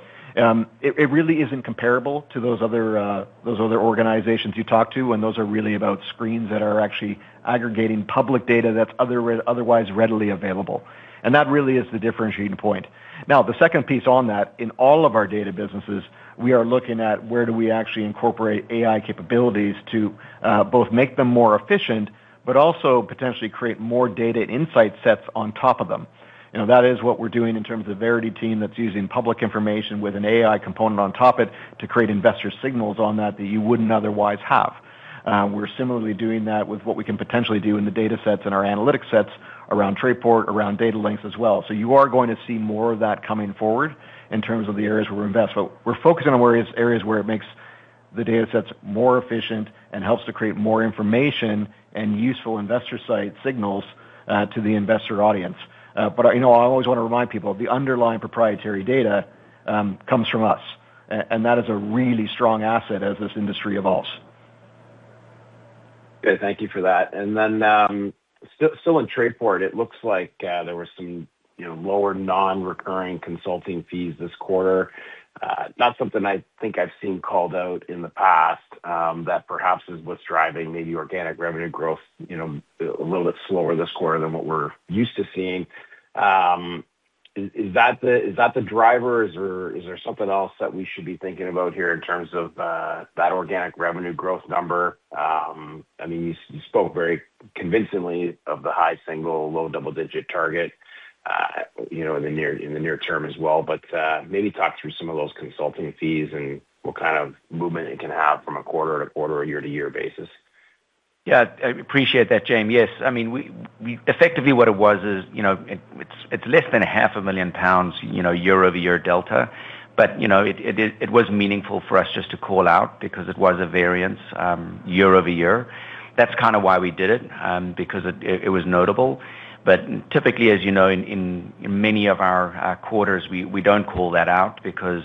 it really isn't comparable to those other organizations you talk to, and those are really about screens that are actually aggregating public data that's otherwise readily available. That really is the differentiating point. Now, the second piece on that, in all of our data businesses, we are looking at where do we actually incorporate AI capabilities to both make them more efficient but also potentially create more data insight sets on top of them. That is what we're doing in terms of the Verity team that's using public information with an AI component on top of it to create investor signals on that that you wouldn't otherwise have. We're similarly doing that with what we can potentially do in the data sets and our analytic sets around Trayport, around Datalinx as well. So you are going to see more of that coming forward in terms of the areas where we invest. But we're focusing on areas where it makes the data sets more efficient and helps to create more information and useful investor insight signals to the investor audience. But I always want to remind people, the underlying proprietary data comes from us, and that is a really strong asset as this industry evolves. Good. Thank you for that. And then still in Trayport, it looks like there were some lower non-recurring consulting fees this quarter. Not something I think I've seen called out in the past that perhaps is what's driving maybe organic revenue growth a little bit slower this quarter than what we're used to seeing. Is that the driver, or is there something else that we should be thinking about here in terms of that organic revenue growth number? I mean, you spoke very convincingly of the high single, low double-digit target in the near term as well. But maybe talk through some of those consulting fees and what kind of movement it can have from a quarter to quarter or year to year basis. Yeah. I appreciate that, Jaeme. Yes. I mean, effectively, what it was is it's less than 500,000 pounds year-over-year delta. But it was meaningful for us just to call out because it was a variance year-over-year. That's kind of why we did it because it was notable. But typically, as you know, in many of our quarters, we don't call that out because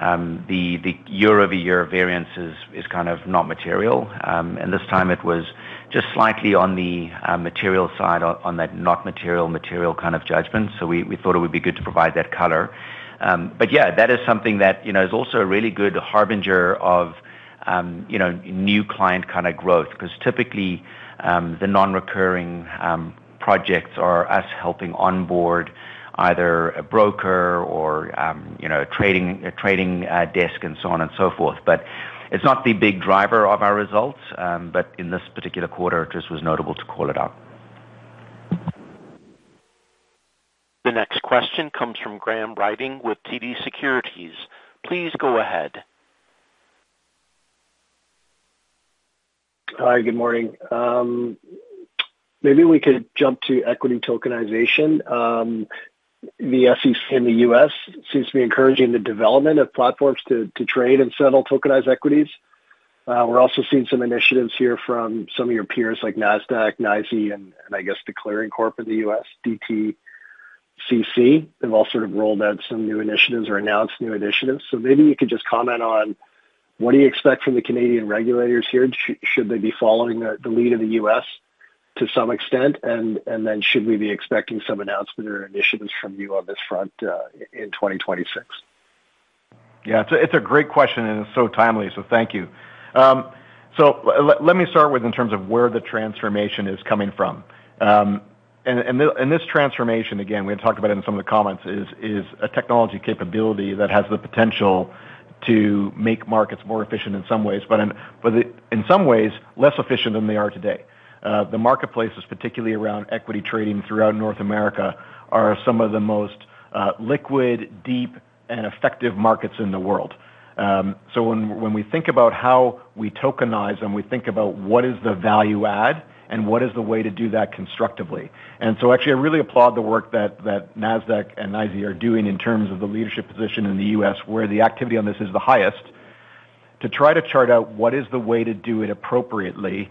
the year-over-year variance is kind of not material. And this time, it was just slightly on the material side, on that not-material, material kind of judgment. So we thought it would be good to provide that color. But yeah, that is something that is also a really good harbinger of new client kind of growth because typically, the non-recurring projects are us helping onboard either a broker or a trading desk and so on and so forth. It's not the big driver of our results. In this particular quarter, it just was notable to call it out. The next question comes from Graham Ryding with TD Securities. Please go ahead. Hi. Good morning. Maybe we could jump to equity tokenization. The SEC in the U.S. seems to be encouraging the development of platforms to trade and settle tokenized equities. We're also seeing some initiatives here from some of your peers like NASDAQ, NYSE, and I guess the Clearing Corp in the U.S., DTCC. They've all sort of rolled out some new initiatives or announced new initiatives. So maybe you could just comment on what do you expect from the Canadian regulators here? Should they be following the lead of the U.S. to some extent? And then should we be expecting some announcement or initiatives from you on this front in 2026? Yeah. It's a great question, and it's so timely. So thank you. So let me start with in terms of where the transformation is coming from. And this transformation, again, we had talked about it in some of the comments, is a technology capability that has the potential to make markets more efficient in some ways, but in some ways, less efficient than they are today. The marketplaces, particularly around equity trading throughout North America, are some of the most liquid, deep, and effective markets in the world. So when we think about how we tokenize and we think about what is the value-add and what is the way to do that constructively and so actually, I really applaud the work that NASDAQ and NYSE are doing in terms of the leadership position in the U.S. where the activity on this is the highest to try to chart out what is the way to do it appropriately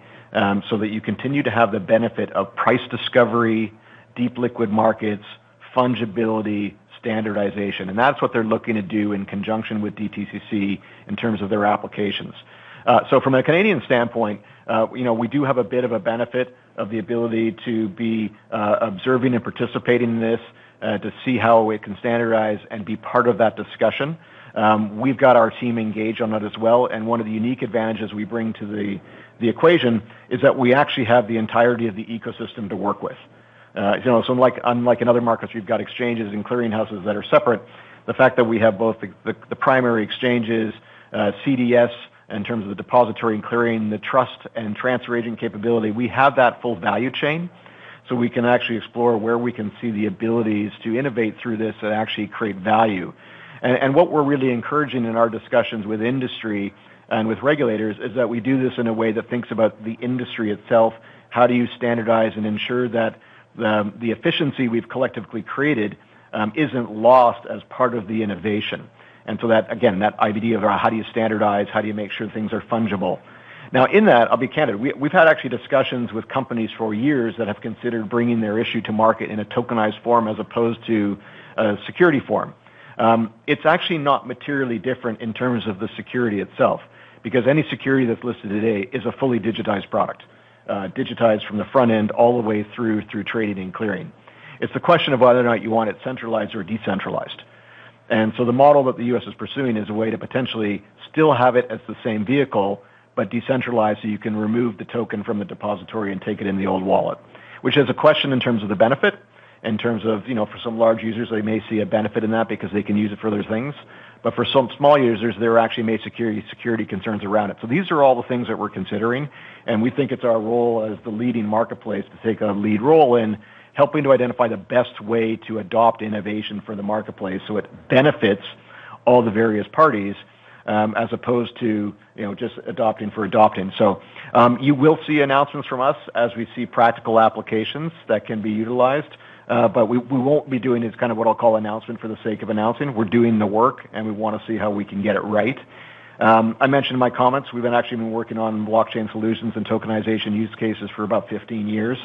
so that you continue to have the benefit of price discovery, deep liquid markets, fungibility, standardization. And that's what they're looking to do in conjunction with DTCC in terms of their applications. So from a Canadian standpoint, we do have a bit of a benefit of the ability to be observing and participating in this, to see how it can standardize and be part of that discussion. We've got our team engaged on that as well. One of the unique advantages we bring to the equation is that we actually have the entirety of the ecosystem to work with. Unlike in other markets, we've got exchanges and clearinghouses that are separate. The fact that we have both the primary exchanges, CDS in terms of the depository and clearing, the trust and transfer agent capability, we have that full value chain. We can actually explore where we can see the abilities to innovate through this and actually create value. What we're really encouraging in our discussions with industry and with regulators is that we do this in a way that thinks about the industry itself. How do you standardize and ensure that the efficiency we've collectively created isn't lost as part of the innovation? So again, that idea of how do you standardize? How do you make sure things are fungible? Now, in that, I'll be candid. We've had actually discussions with companies for years that have considered bringing their issue to market in a tokenized form as opposed to a security form. It's actually not materially different in terms of the security itself because any security that's listed today is a fully digitized product, digitized from the front end all the way through trading and clearing. It's the question of whether or not you want it centralized or decentralized. And so the model that the U.S. is pursuing is a way to potentially still have it as the same vehicle but decentralize so you can remove the token from the depository and take it in the old wallet, which is a question in terms of the benefit. In terms of for some large users, they may see a benefit in that because they can use it for their things. But for some small users, there actually may be security concerns around it. So these are all the things that we're considering. And we think it's our role as the leading marketplace to take a lead role in helping to identify the best way to adopt innovation for the marketplace so it benefits all the various parties as opposed to just adopting for adopting. So you will see announcements from us as we see practical applications that can be utilized. But we won't be doing it. It's kind of what I'll call announcement for the sake of announcing. We're doing the work, and we want to see how we can get it right. I mentioned in my comments, we've actually been working on blockchain solutions and tokenization use cases for about 15 years.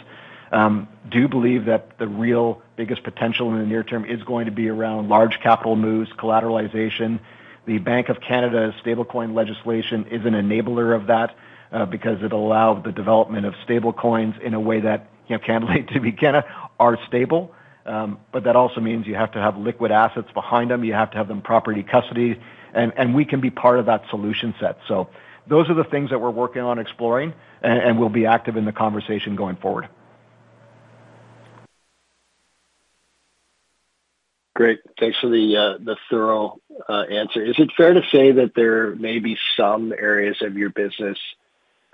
Do believe that the real biggest potential in the near term is going to be around large capital moves, collateralization. The Bank of Canada's stablecoin legislation is an enabler of that because it allowed the development of stablecoins in a way that candidly to be candid, are stable. But that also means you have to have liquid assets behind them. You have to have them proper custody. And we can be part of that solution set. So those are the things that we're working on exploring, and we'll be active in the conversation going forward. Great. Thanks for the thorough answer. Is it fair to say that there may be some areas of your business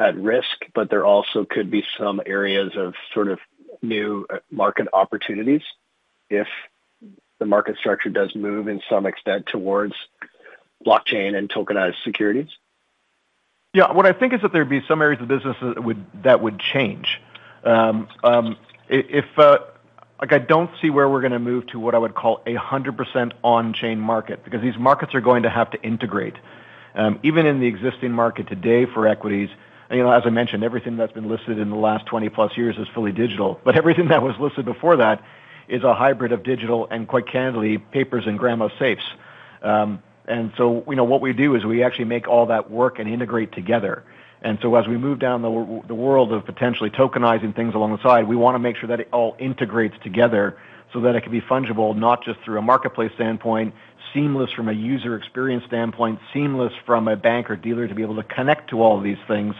at risk, but there also could be some areas of sort of new market opportunities if the market structure does move in some extent towards blockchain and tokenized securities? Yeah. What I think is that there'd be some areas of business that would change. I don't see where we're going to move to what I would call a 100% on-chain market because these markets are going to have to integrate. Even in the existing market today for equities, as I mentioned, everything that's been listed in the last 20+ years is fully digital. But everything that was listed before that is a hybrid of digital and, quite candidly, papers and grandma's safes. And so what we do is we actually make all that work and integrate together. And so as we move down the world of potentially tokenizing things along the side, we want to make sure that it all integrates together so that it can be fungible not just through a marketplace standpoint, seamless from a user experience standpoint, seamless from a bank or dealer to be able to connect to all of these things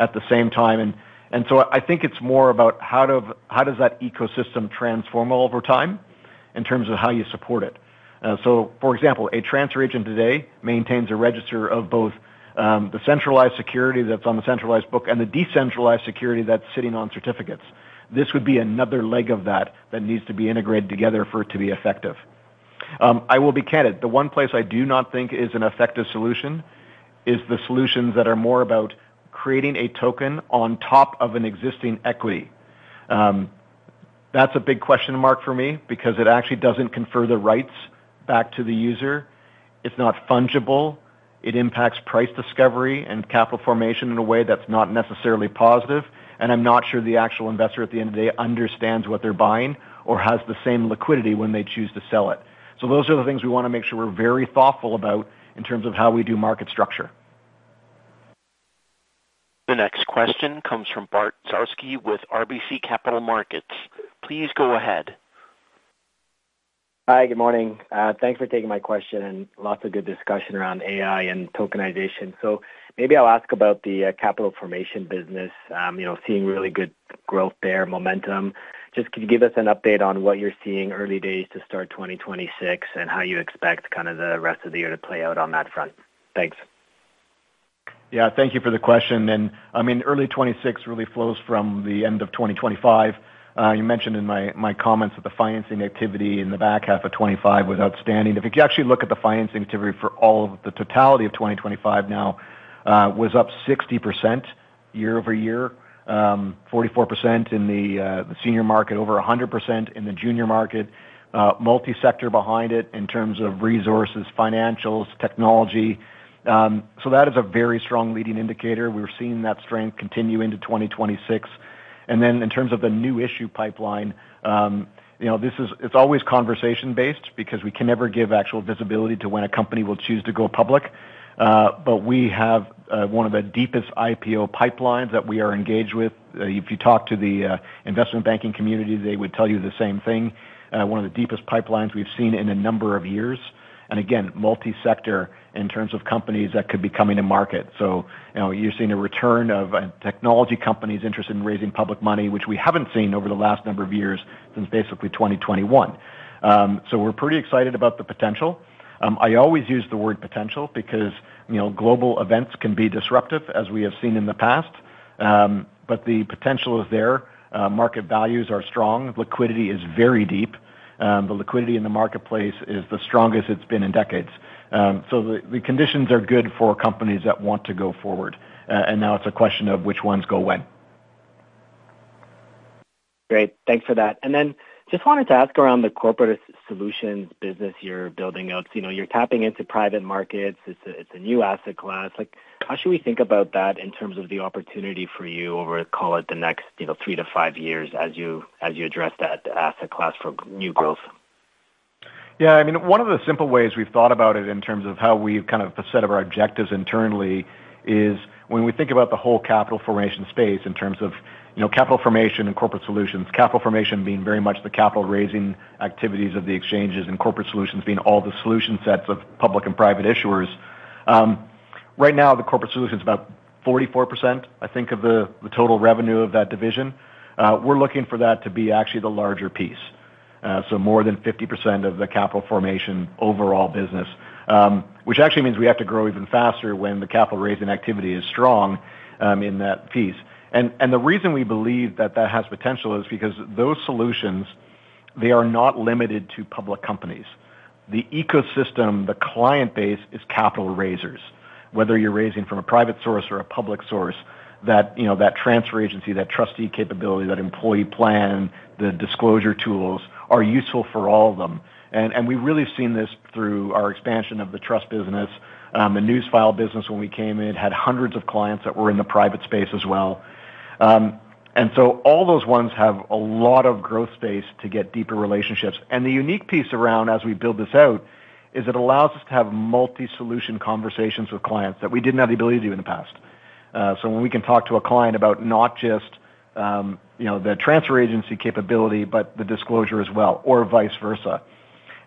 at the same time. And so I think it's more about how does that ecosystem transform over time in terms of how you support it. So for example, a transfer agent today maintains a register of both the centralized security that's on the centralized book and the decentralized security that's sitting on certificates. This would be another leg of that that needs to be integrated together for it to be effective. I will be candid. The one place I do not think is an effective solution is the solutions that are more about creating a token on top of an existing equity. That's a big question mark for me because it actually doesn't confer the rights back to the user. It's not fungible. It impacts price discovery and Capital Formation in a way that's not necessarily positive. And I'm not sure the actual investor at the end of the day understands what they're buying or has the same liquidity when they choose to sell it. So those are the things we want to make sure we're very thoughtful about in terms of how we do market structure. The next question comes from Bartosz Czubak with RBC Capital Markets. Please go ahead. Hi. Good morning. Thanks for taking my question and lots of good discussion around AI and tokenization. Maybe I'll ask about the Capital Formation business, seeing really good growth there, momentum. Just could you give us an update on what you're seeing early days to start 2026 and how you expect kind of the rest of the year to play out on that front? Thanks. Yeah. Thank you for the question. I mean, early 2026 really flows from the end of 2025. You mentioned in my comments that the financing activity in the back half of 2025 was outstanding. If you actually look at the financing activity for all of the totality of 2025 now, it was up 60% year-over-year, 44% in the senior market, over 100% in the junior market, multi-sector behind it in terms of resources, financials, technology. So that is a very strong leading indicator. We're seeing that strength continue into 2026. Then in terms of the new issue pipeline, it's always conversation-based because we can never give actual visibility to when a company will choose to go public. But we have one of the deepest IPO pipelines that we are engaged with. If you talk to the investment banking community, they would tell you the same thing, one of the deepest pipelines we've seen in a number of years. And again, multi-sector in terms of companies that could be coming to market. So you're seeing a return of technology companies interested in raising public money, which we haven't seen over the last number of years since basically 2021. So we're pretty excited about the potential. I always use the word potential because global events can be disruptive as we have seen in the past. But the potential is there. Market values are strong. Liquidity is very deep. The liquidity in the marketplace is the strongest it's been in decades. So the conditions are good for companies that want to go forward. And now it's a question of which ones go when. Great. Thanks for that. And then just wanted to ask around the corporate solutions business you're building out. You're tapping into private markets. It's a new asset class. How should we think about that in terms of the opportunity for you over, call it, the next three to five years as you address that asset class for new growth? Yeah. I mean, one of the simple ways we've thought about it in terms of how we've kind of set up our objectives internally is when we think about the whole Capital Formation space in terms of Capital Formation and corporate solutions, Capital Formation being very much the capital-raising activities of the exchanges and corporate solutions being all the solution sets of public and private issuers. Right now, the corporate solutions is about 44%, I think, of the total revenue of that division. We're looking for that to be actually the larger piece, so more than 50% of the Capital Formation overall business, which actually means we have to grow even faster when the capital-raising activity is strong in that piece. And the reason we believe that that has potential is because those solutions, they are not limited to public companies. The ecosystem, the client base, is capital raisers, whether you're raising from a private source or a public source. That transfer agency, that trustee capability, that employee plan, the disclosure tools are useful for all of them. We've really seen this through our expansion of the trust business, the Newsfile business when we came in, had hundreds of clients that were in the private space as well. All those ones have a lot of growth space to get deeper relationships. The unique piece around as we build this out is it allows us to have multi-solution conversations with clients that we didn't have the ability to do in the past. When we can talk to a client about not just the transfer agency capability but the disclosure as well or vice versa.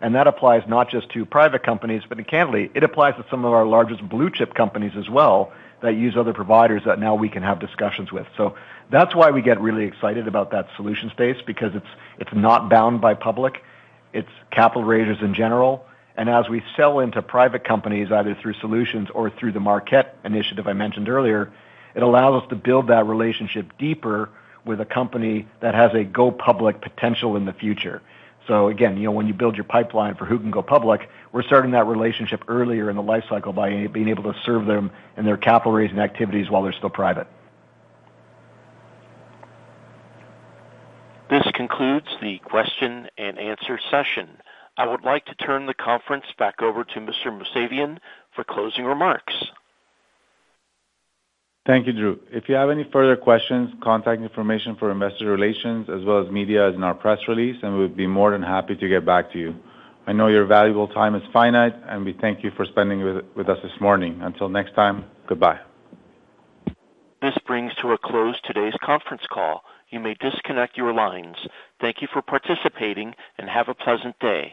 That applies not just to private companies, but candidly, it applies to some of our largest blue-chip companies as well that use other providers that now we can have discussions with. So that's why we get really excited about that solution space because it's not bound by public. It's capital raisers in general. And as we sell into private companies either through solutions or through the Market Ventures initiative I mentioned earlier, it allows us to build that relationship deeper with a company that has a go public potential in the future. So again, when you build your pipeline for who can go public, we're starting that relationship earlier in the lifecycle by being able to serve them in their capital-raising activities while they're still private. This concludes the question and answer session. I would like to turn the conference back over to Mr. Mousavian for closing remarks. Thank you, Drew. If you have any further questions, contact information for Investor Relations as well as media as in our press release, and we would be more than happy to get back to you. I know your valuable time is finite, and we thank you for spending with us this morning. Until next time, goodbye. This brings to a close today's conference call. You may disconnect your lines. Thank you for participating, and have a pleasant day.